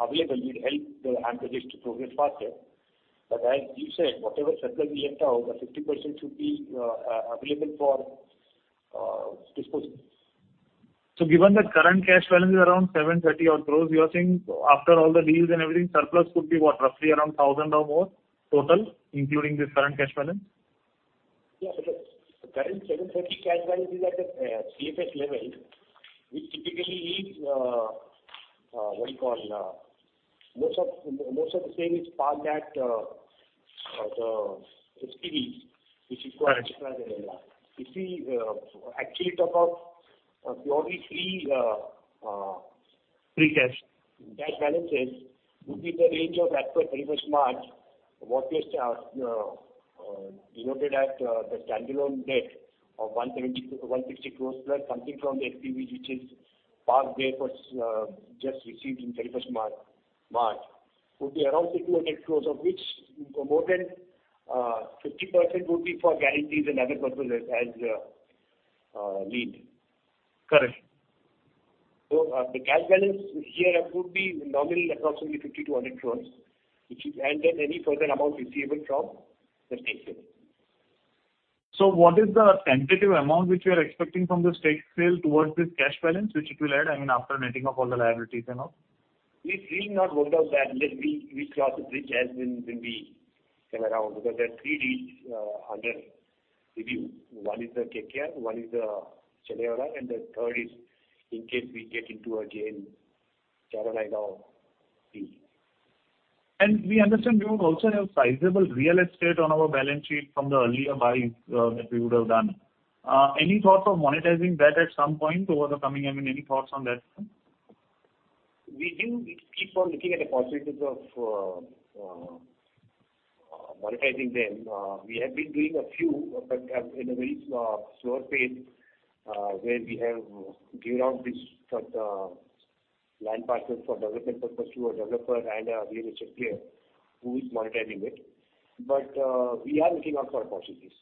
Speaker 4: available will help the HAM projects to progress faster. But as you said, whatever surplus we have now, the 50% should be available for disposal.
Speaker 13: Given the current cash balance is around 730 crore, you are saying after all the deals and everything, surplus could be what? Roughly around 1,000 crore or more total, including this current cash balance?
Speaker 4: Yeah, but the current 730 cash balance is at the CFS level, which typically is what you call most of the same is parked at the SPV-
Speaker 13: Right.
Speaker 4: Which is quite extra than MRI. If we actually talk of
Speaker 13: Free cash.
Speaker 4: Cash balances would be in the range of, as per 31 March, what is denoted at the standalone debt of 1,216 crores, plus something from the SPV, which is parked there for just received in 31 March, would be around 62 crores, of which more than 50% would be for guarantees and other purposes as lead.
Speaker 13: Correct.
Speaker 4: The cash balance here would be normally approximately 50 to 100 crores, which is and then any further amount receivable from the stake sale.
Speaker 13: What is the tentative amount which you are expecting from the stake sale towards this cash balance, which it will add, I mean, after netting off all the liabilities and all?
Speaker 4: We've really not worked out that. We'll cross the bridge when we come to it, because there are 3 deals under review. One is the KKR, one is the Chennai order, and the third is in case we get into a Karnataka deal.
Speaker 13: We understand we would also have sizable real estate on our balance sheet from the earlier buys, that we would have done. Any thoughts of monetizing that at some point over the coming... I mean, any thoughts on that front?
Speaker 4: We do keep on looking at the possibilities of monetizing them. We have been doing a few, but in a very slow, slow pace, where we have given out this land parcel for development purpose to a developer and a recent player who is monetizing it. But we are looking out for possibilities.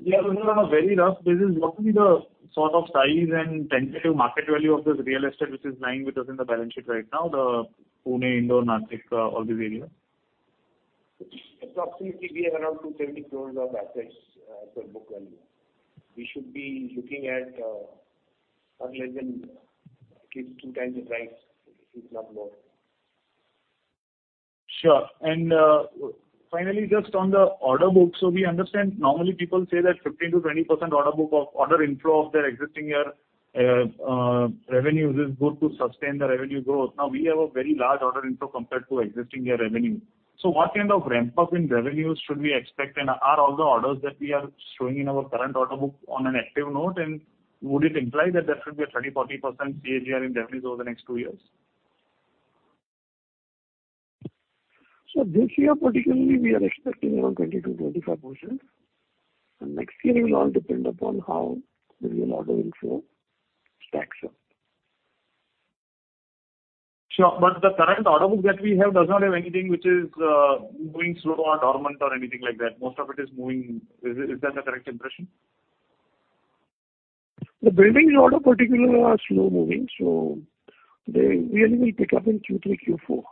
Speaker 13: Yeah, but just on a very rough, this is what would be the sort of size and tentative market value of this real estate which is lying with us in the balance sheet right now, the Pune, Indore, Nashik, all these areas?
Speaker 4: Approximately, we have around 270 crore of assets per book value. We should be looking at more or less at least 2x the price, if not more.
Speaker 13: Sure. Finally, just on the order book. We understand normally people say that 15% to 20% order book of order inflow of their existing year revenues is good to sustain the revenue growth. Now, we have a very large order inflow compared to existing year revenue. So what kind of ramp-up in revenues should we expect? And are all the orders that we are showing in our current order book on an active note? And would it imply that there should be a 30% to 40% CAGR in revenues over the next two years?
Speaker 4: This year particularly, we are expecting around 20% to 25%. Next year it will all depend upon how the new order inflow stacks up.
Speaker 13: Sure, but the current order book that we have does not have anything which is, moving slow or dormant or anything like that. Most of it is moving. Is, is that the correct impression?...
Speaker 4: The buildings order particularly are slow moving, so they really will pick up in Q3, Q4.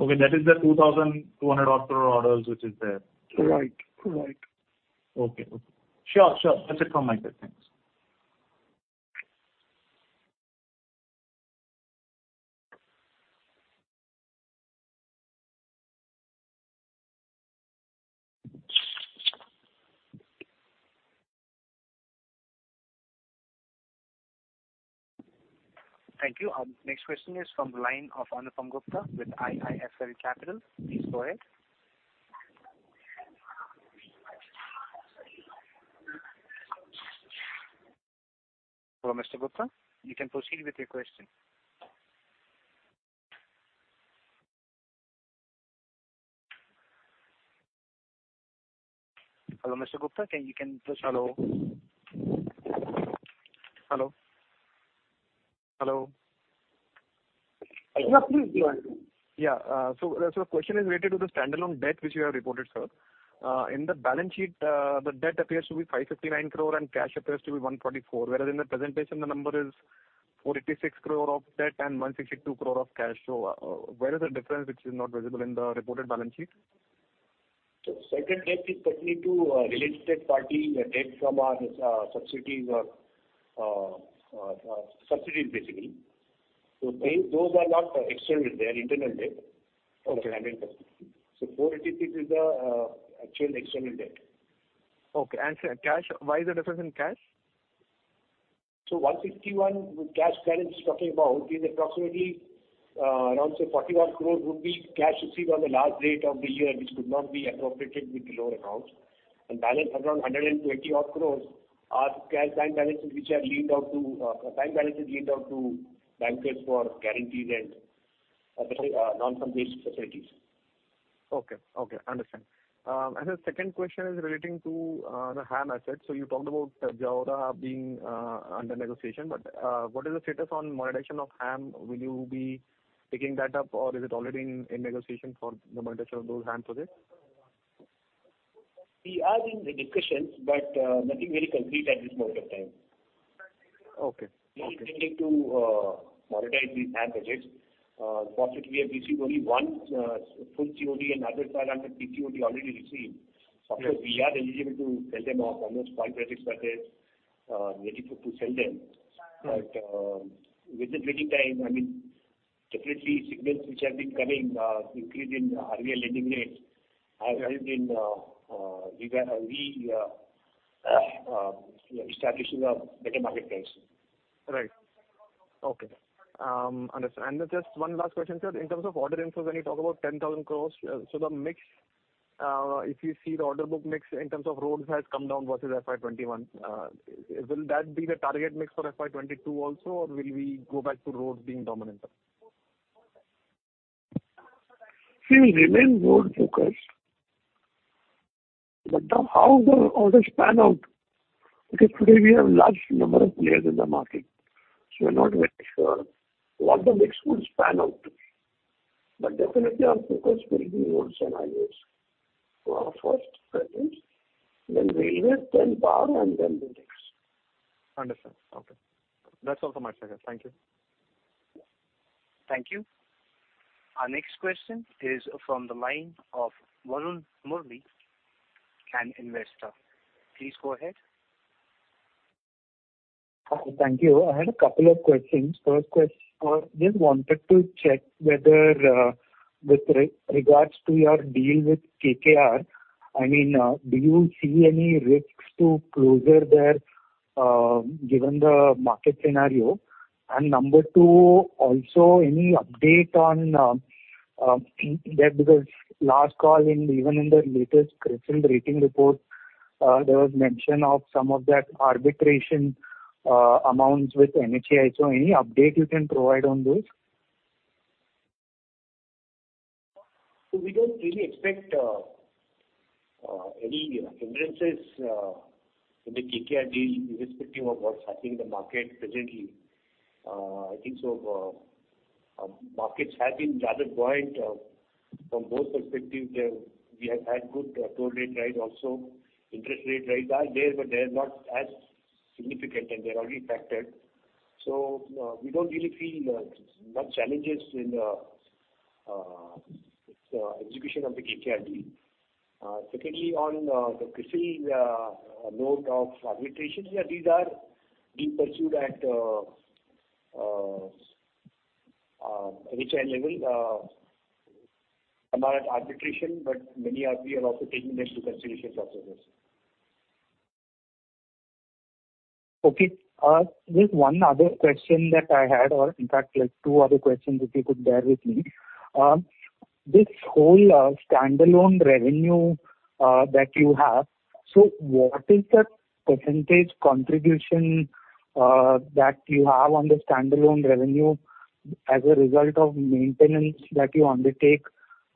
Speaker 13: Okay, that is the 2,200 orders, which is there?
Speaker 4: Right. Right.
Speaker 13: Okay. Okay. Sure, sure. That's it from my side. Thanks.
Speaker 1: Thank you. Our next question is from the line of Anupam Gupta with IIFL Securities. Please go ahead. Hello, Mr. Gupta, you can proceed with your question. Hello, Mr. Gupta, can you just-
Speaker 14: Hello? Hello. Hello.
Speaker 4: Yes, please go ahead.
Speaker 14: Yeah, so, so the question is related to the standalone debt which you have reported, sir. In the balance sheet, the debt appears to be 559 crore and cash appears to be 144 crore, whereas in the presentation, the number is 486 crore of debt and 162 crore of cash. So, where is the difference which is not visible in the reported balance sheet?
Speaker 4: Second debt is certainly to related party, the debt from our subsidiaries, basically. Those are not external, they are internal debt.
Speaker 14: Okay.
Speaker 4: 486 is the actual external debt.
Speaker 14: Okay, and cash, why is the difference in cash?
Speaker 4: 151 cash balance is talking about is approximately, around say 41 crore rupees would be cash received on the last date of the year, which could not be appropriated with the lower amount. And balance around 120 odd crores are cash time balances, which are lent out to time balances lent out to bankers for guarantees and non-fund-based facilities.
Speaker 14: Okay. Okay, understand. The second question is relating to the HAM assets. So you talked about Jaora being under negotiation, but what is the status on monetization of HAM? Will you be picking that up, or is it already in negotiation for the monetization of those HAM projects?
Speaker 4: We are in the discussions, but, nothing very concrete at this point of time.
Speaker 14: Okay. Okay.
Speaker 4: We are intending to monetize these HAM projects. For which we have received only one full COD and other five under PCOD already received.
Speaker 14: Yes.
Speaker 4: After we are eligible to sell them off, almost all projects are there, ready to sell them.
Speaker 14: Right.
Speaker 4: But with the waiting time, I mean, definitely signals which have been coming, increase in earlier lending rates have helped in establishing a better market price.
Speaker 14: Right. Okay. Understand. And just one last question, sir. In terms of order inflows, when you talk about 10,000 crore, so the mix, if you see the order book mix in terms of roads has come down versus FY 2021, will that be the target mix for FY 2022 also, or will we go back to roads being dominant?
Speaker 4: We will remain road focused, but the how the orders pan out, because today we have large number of players in the market, so we're not very sure what the mix will pan out to be. But definitely our focus will be roads and highways. So our first preference, then railway, then power, and then buildings.
Speaker 14: Understand. Okay. That's all from my side. Thank you.
Speaker 1: Thank you. Our next question is from the line of Varun Murali, Canara Robeco Mutual Fund. Please go ahead.
Speaker 15: Hi, thank you. I had a couple of questions. First question, just wanted to check whether, with regards to your deal with KKR, I mean, do you see any risks to closure there, given the market scenario? And number two, also any update on that because last call in, even in the latest CRISIL rating report, there was mention of some of that arbitration amounts with NHAI. So any update you can provide on this?
Speaker 4: So we don't really expect any hindrances in the KKR deal, irrespective of what's happening in the market presently. I think so, markets have been rather buoyant from both perspectives. They have. We have had good toll rate rise also. Interest rate rise are there, but they are not as significant, and they are already factored. So, we don't really feel much challenges in its execution of the KKR deal. Secondly, on the CRISIL note of arbitration, yeah, these are being pursued at high level about arbitration, but many are... We are also taking this into consideration also.
Speaker 15: Okay. Just one other question that I had, or in fact, like two other questions, if you could bear with me. This whole standalone revenue that you have, so what is the percentage contribution that you have on the standalone revenue as a result of maintenance that you undertake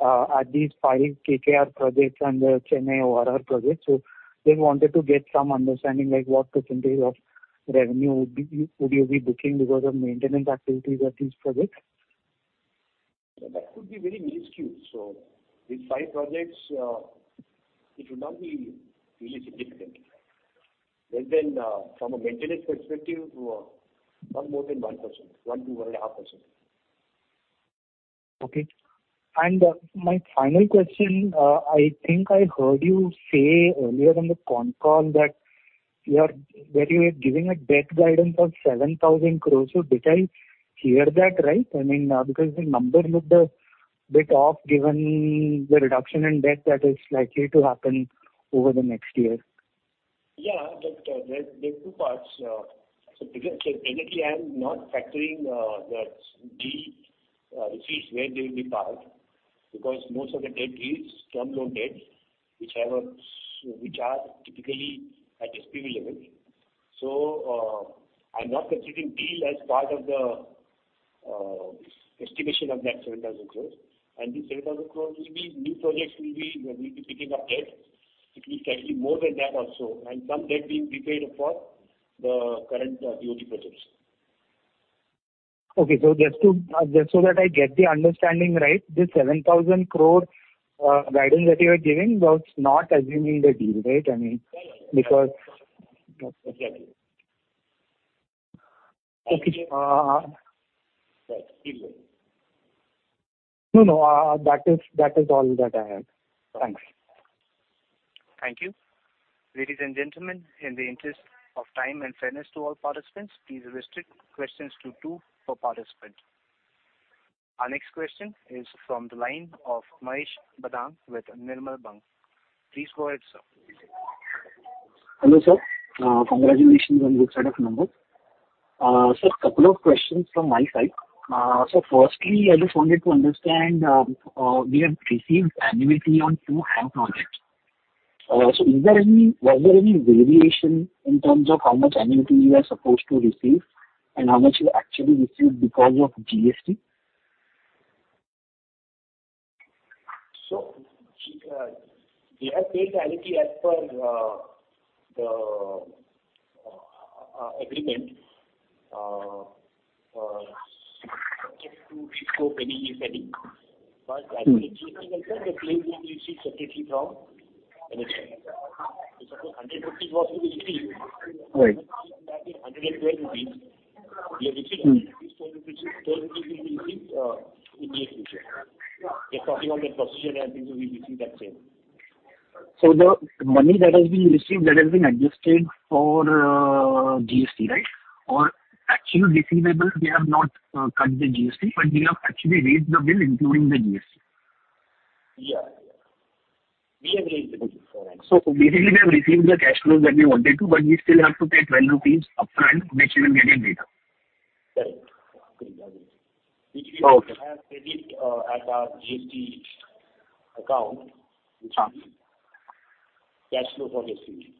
Speaker 15: at these five KKR projects and the Chennai ORR project? So just wanted to get some understanding, like what percentage of revenue would be, would you be booking because of maintenance activities at these projects?...
Speaker 4: That could be very minuscule. So with five projects, it would not be really significant. And then, from a maintenance perspective, not more than 1%, 1% to 1.5%.
Speaker 15: Okay. And, my final question, I think I heard you say earlier in the con call that you are, where you are giving a debt guidance of 7,000 crore. So did I hear that right? I mean, because the number looked a bit off, given the reduction in debt that is likely to happen over the next year.
Speaker 4: Yeah, but, there, there are two parts. So because—so technically, I am not factoring the deal, which is where they will be part, because most of the debt is term loan debt, which are typically at SPV level. So, I'm not considering deal as part of the estimation of that 7,000 crore. And this 7,000 crore will be new projects will be, will be picking up debt. It will actually be more than that also, and some debt being prepaid for the current BOT projects.
Speaker 15: Okay. So just to, just so that I get the understanding right, this 7,000 crore guidance that you are giving, that's not assuming the deal, right? I mean, because-
Speaker 4: Yeah.
Speaker 15: Okay. Uh-
Speaker 4: Right. Keep going.
Speaker 15: No, no, that is, that is all that I have. Thanks.
Speaker 1: Thank you. Ladies and gentlemen, in the interest of time and fairness to all participants, please restrict questions to two per participant. Our next question is from the line of Mahesh Bendre with Nirmal Bang. Please go ahead, sir.
Speaker 16: Hello, sir. Congratulations on good set of numbers. So a couple of questions from my side. So firstly, I just wanted to understand, we have received annuity on two HAM projects. So, was there any variation in terms of how much annuity you are supposed to receive, and how much you actually received because of GST?
Speaker 4: So, we have paid the annuity as per the agreement, just to go penny by penny. But from an extent. It's INR 150 crores in GST.
Speaker 16: Right.
Speaker 4: INR 112. We have received INR 10, INR 10 will be received in the future. They're talking on the procedure and things, so we receive that same.
Speaker 16: So the money that has been received, that has been adjusted for, GST, right? Or actual receivable, we have not, cut the GST, but we have actually raised the bill including the GST.
Speaker 4: Yeah. We have raised the bill for that.
Speaker 16: So basically, we have received the cash flows that we wanted to, but we still have to pay 12 rupees upfront, which we will get it later.
Speaker 4: Correct.
Speaker 16: Okay.
Speaker 4: Which we will have credit at our GST account, which will be cash flow for GST.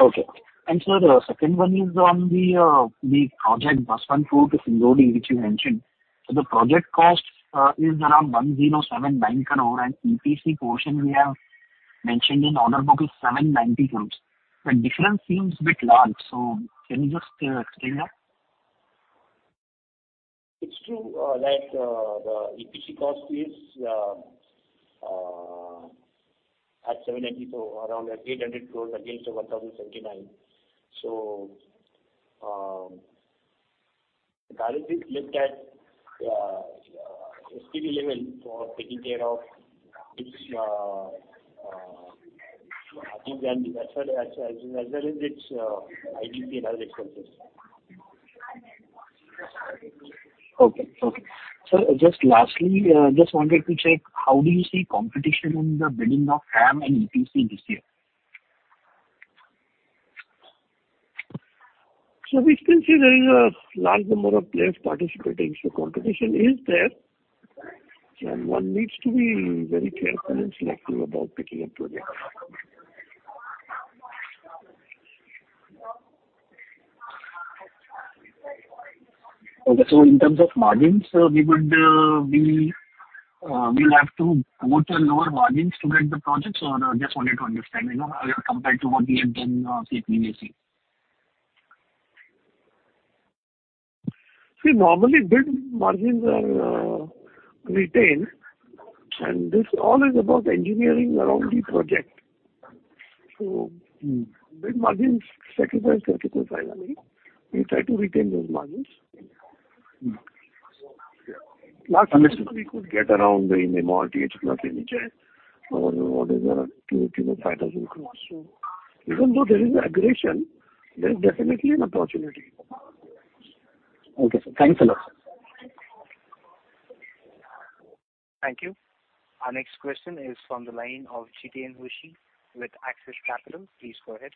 Speaker 16: Okay. And sir, the second one is on the project Baswantpur-Singnodi, which you mentioned. So the project cost is around 1,079 crore, and EPC portion we have mentioned in the order book is 790 crore. The difference seems a bit large, so can you just explain that?
Speaker 4: It's true that the EPC cost is at 790 crore, so around 800 crores against 1,079 crore. So, that is looked at SPV level for taking care of its, I think then as well as its IDC and other expenses.
Speaker 16: Okay. Okay. Sir, just lastly, just wanted to check, how do you see competition in the bidding of HAM and EPC this year?
Speaker 4: So we can see there is a large number of players participating, so competition is there, and one needs to be very careful and selective about picking a project.
Speaker 16: Okay. So in terms of margins, we would, we, we'll have to go to lower margins to get the projects? Or I just wanted to understand, you know, compared to what we have done previously.
Speaker 4: See, normally, bid margins are retained, and this all is about engineering around the project. So, bid margins sacrifice critical finally. We try to retain those margins. Last estimate, we could get around In MoRTH plus NHAI, or what is the INR 285,000 crore. So even though there is a regression, there is definitely an opportunity.
Speaker 16: Okay, sir. Thanks a lot.
Speaker 1: Thank you. Our next question is from the line of Jiten Rushi with Axis Capital. Please go ahead.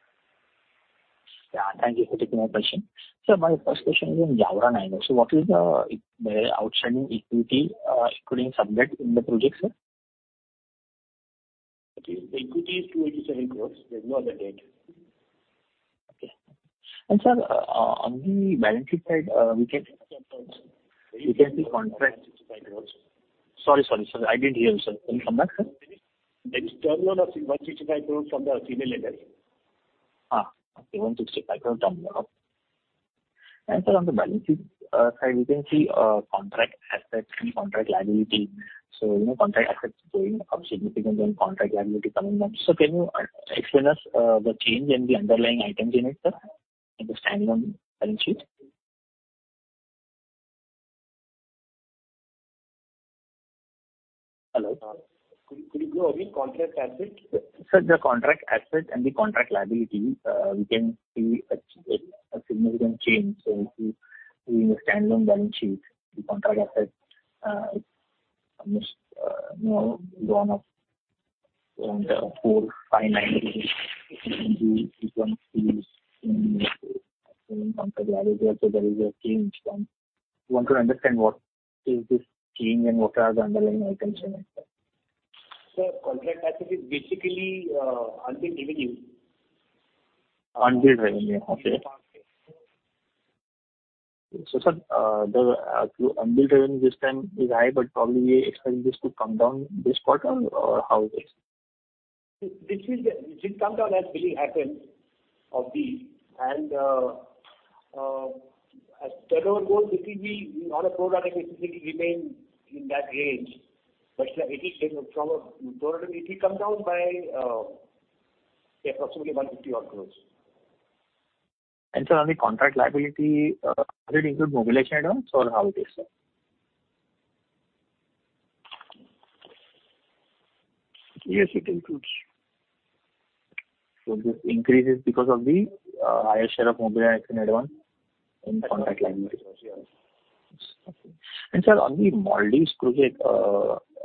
Speaker 9: Yeah, thank you for taking my question. So my first question is on Jaora-Nayagaon. So what is the outstanding equity, including sub-debt in the project, sir?
Speaker 4: Okay. The equity is 287 crore. There is no other debt.
Speaker 9: Okay. And sir, on the balance sheet side, we can, we can see contract- Sorry, sorry, sir, I didn't hear you, sir. Can you come back, sir?
Speaker 4: There is term loan of INR 165 crore from the financial lender....
Speaker 9: Okay, 1, 2, 3, 5. And so on the balance sheet side, we can see contract assets and contract liability. So, you know, contract assets going up significantly and contract liability coming up. So can you explain us the change in the underlying items in it, sir, in the standalone balance sheet? Hello?
Speaker 4: Could you go again, contract asset?
Speaker 9: Sir, the contract asset and the contract liability, we can see a significant change. So if you, in the standalone balance sheet, the contract asset is, you know, gone up around 459 contract liability, so there is a change from. We want to understand what is this change and what are the underlying items in it, sir?
Speaker 4: Sir, contract asset is basically, unbilled revenue.
Speaker 9: Unbilled revenue, okay. So, sir, the unbilled revenue this time is high, but probably you expect this to come down this quarter, or how is it?
Speaker 4: It will, it will come down as billing happens, obviously, and as turnover goes, it will be on a product, it will remain in that range. But it is from a total, it will come down by approximately 150 or close.
Speaker 9: Sir, on the contract liability, does it include mobilization at all, or how it is, sir?
Speaker 4: Yes, it includes.
Speaker 9: This increase is because of the higher share of mobilization advance in contract liability?
Speaker 4: Yes.
Speaker 9: Okay. And, sir, on the Maldives project,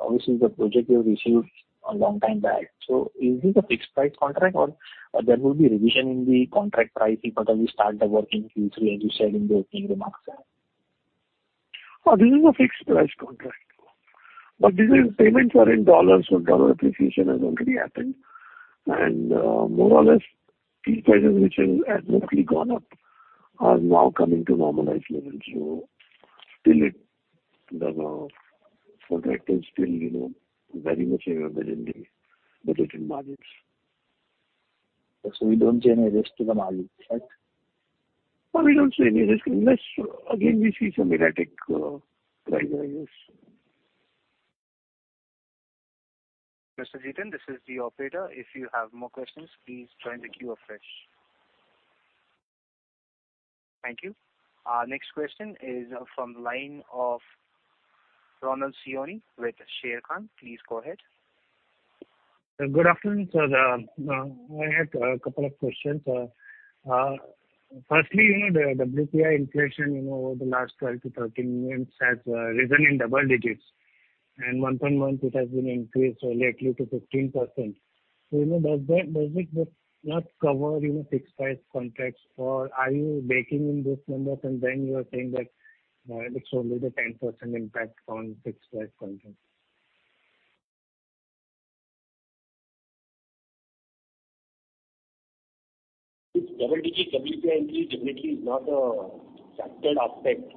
Speaker 9: obviously, the project you have received a long time back. So is this a fixed price contract or there will be revision in the contract price if you start the work in Q3, as you said in the opening remarks, sir?
Speaker 4: This is a fixed price contract, but this is payments are in dollars, so dollar appreciation has already happened. And, more or less, these prices, which have mostly gone up, are now coming to normalized levels. So still it, you know, for that is still, you know, very much within margins.
Speaker 9: We don't see any risk to the margin, right?
Speaker 4: No, we don't see any risk, unless, again, we see some erratic, price rises.
Speaker 1: Mr. Jiten, this is the operator. If you have more questions, please join the queue afresh. Thank you. Next question is from the line of Ronald Siyoni with Sharekhan. Please go ahead.
Speaker 17: Good afternoon, sir. I had a couple of questions. Firstly, you know, the WPI inflation, you know, over the last 12 to 13 months has risen in double digits, and month-on-month, it has been increased lately to 15%. So, you know, does that, does it just not cover, you know, fixed price contracts, or are you baking in those numbers, and then you are saying that it's only the 10% impact on fixed price contracts?
Speaker 4: WPI generally is not a factored aspect.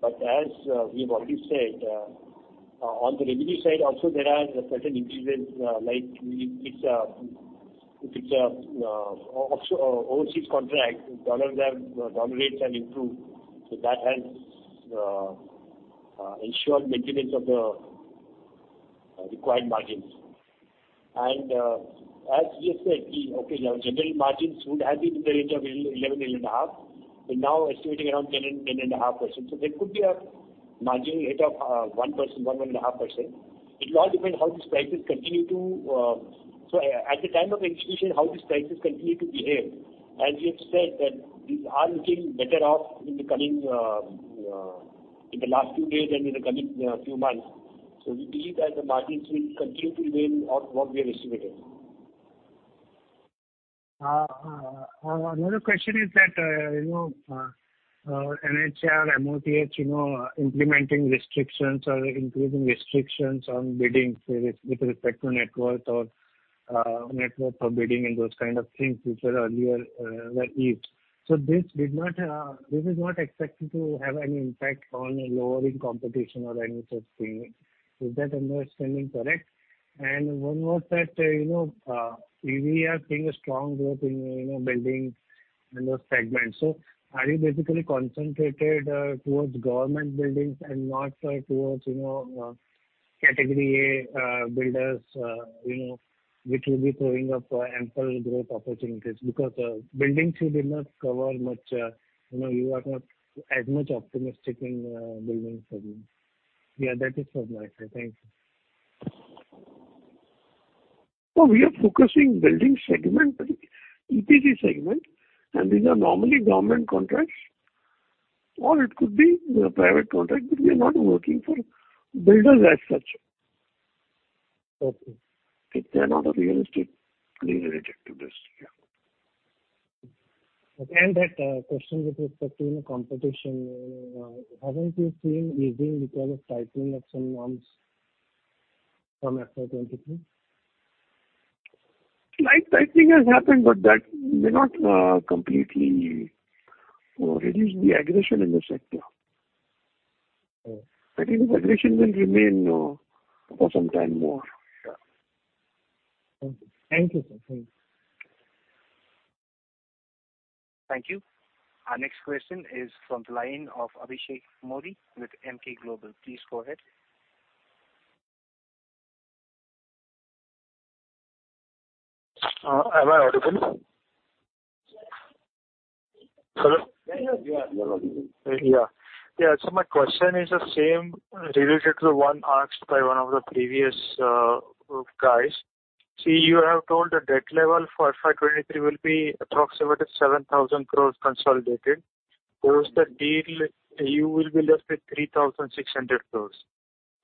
Speaker 4: But as we've already said, on the revenue side also, there are certain increases, like if it's a offshore overseas contract, dollar rates have improved. So that has ensured maintenance of the required margins. And as we have said, okay, our general margins would have been in the range of 11% to 11.5%, but now estimating around 10% to 10.5%. So there could be a marginal rate of 1% to 1.5%. It will all depend how these prices continue to... So at the time of execution, how these prices continue to behave. As we have said, that these are looking better off in the last few days and in the coming few months. So we believe that the margins will continue to remain off what we are estimating.
Speaker 17: Another question is that, you know, NHAI, MoRTH, you know, implementing restrictions or increasing restrictions on bidding with respect to net worth or network of bidding and those kind of things, which were earlier were eased. So this did not, this is not expected to have any impact on lowering competition or any such thing. Is that understanding correct? And one more that, you know, we are seeing a strong growth in, you know, building in those segments. So are you basically concentrated towards government buildings and not towards, you know, category A builders, you know, which will be throwing up ample growth opportunities? Because, buildings you did not cover much, you know, you are not as much optimistic in building segment. Yeah, that is from my side. Thank you.
Speaker 4: We are focusing building segment, EPC segment, and these are normally government contracts, or it could be a private contract, but we are not working for builders as such.
Speaker 17: Okay.
Speaker 4: They are not a realistic player related to this. Yeah.
Speaker 17: Okay. That question with respect to competition, haven't you seen easing because of tightening of some norms from FY 2023?
Speaker 4: Slight tightening has happened, but that may not completely reduce the aggression in the sector. I think the valuation will remain low for some time more. Yeah.
Speaker 13: Thank you, sir. Thank you.
Speaker 1: Thank you. Our next question is from the line of Abhishek Mody with Emkay Global. Please go ahead.
Speaker 18: Am I audible? Hello?
Speaker 4: Yes, you are audible.
Speaker 18: Yeah. Yeah, so my question is the same related to the one asked by one of the previous guys. See, you have told the debt level for FY 2023 will be approximately 7,000 crore consolidated. Post the deal, you will be left with 3,600 crore.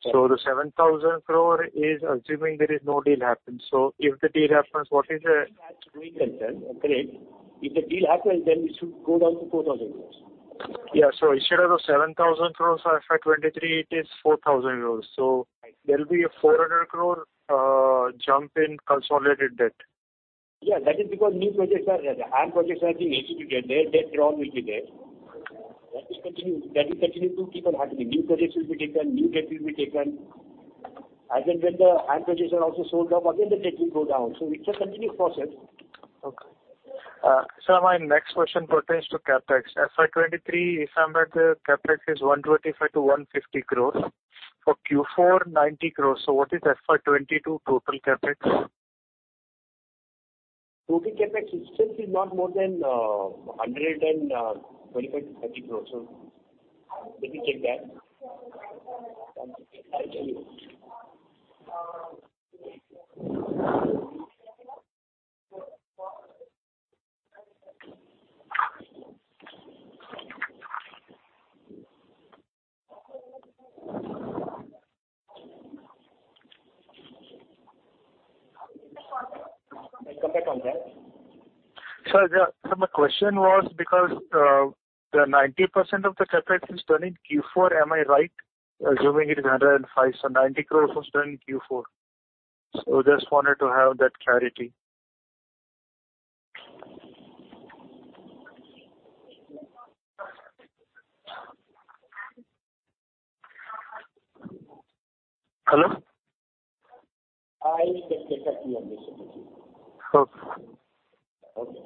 Speaker 18: So the 7,000 crore is assuming there is no deal happens. So if the deal happens, what is the-
Speaker 4: As a going concern, okay, if the deal happens, then it should go down to INR 4,000 crore.
Speaker 18: Yeah. So instead of the 7,000 crore for FY 2023, it is INR 4,000 crore. So there will be a 400 crore jump in consolidated debt.
Speaker 4: Yeah, that is because new projects are, the HAM projects are being executed. Their debt drawn will be there. That is continuing to keep on happening. New credits will be taken, new debt will be taken. As and when the HAM projects are also sold off, again, the debt will go down. So it's a continuous process.
Speaker 18: Okay. Sir, my next question pertains to CapEx. FY 2023, if I'm right, the CapEx is 125 to 150 crores. For Q4, 90 crores. So what is FY 2022 total CapEx?
Speaker 4: Total CapEx is still not more than 125 to 130 crore. So let me check that. I'll tell you. I'll come back on that.
Speaker 18: Sir, yeah. So my question was because the 90% of the CapEx is done in Q4, am I right? Assuming it is 105, so 90 crore was done in Q4. So just wanted to have that clarity. Hello?
Speaker 4: I will just check that for you, Abhishek.
Speaker 18: Okay.
Speaker 4: Okay.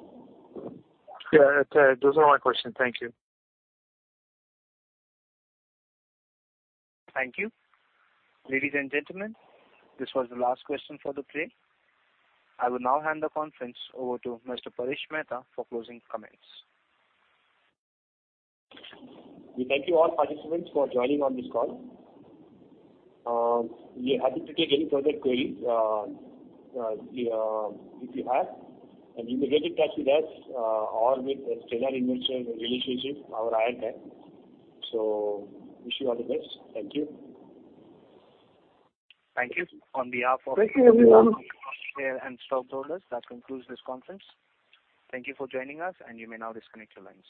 Speaker 18: Yeah, that's it. Those are my questions. Thank you.
Speaker 1: Thank you. Ladies and gentlemen, this was the last question for the day. I will now hand the conference over to Mr. Paresh Mehta for closing comments.
Speaker 4: We thank you all participants for joining on this call. We are happy to take any further queries, if you have, and you may get in touch with us, or with Stellar Investor Relations, our IR team. So wish you all the best. Thank you.
Speaker 1: Thank you. On behalf of-
Speaker 18: Thank you, everyone.
Speaker 1: Stellar Investments and stockholders, that concludes this conference. Thank you for joining us, and you may now disconnect your lines.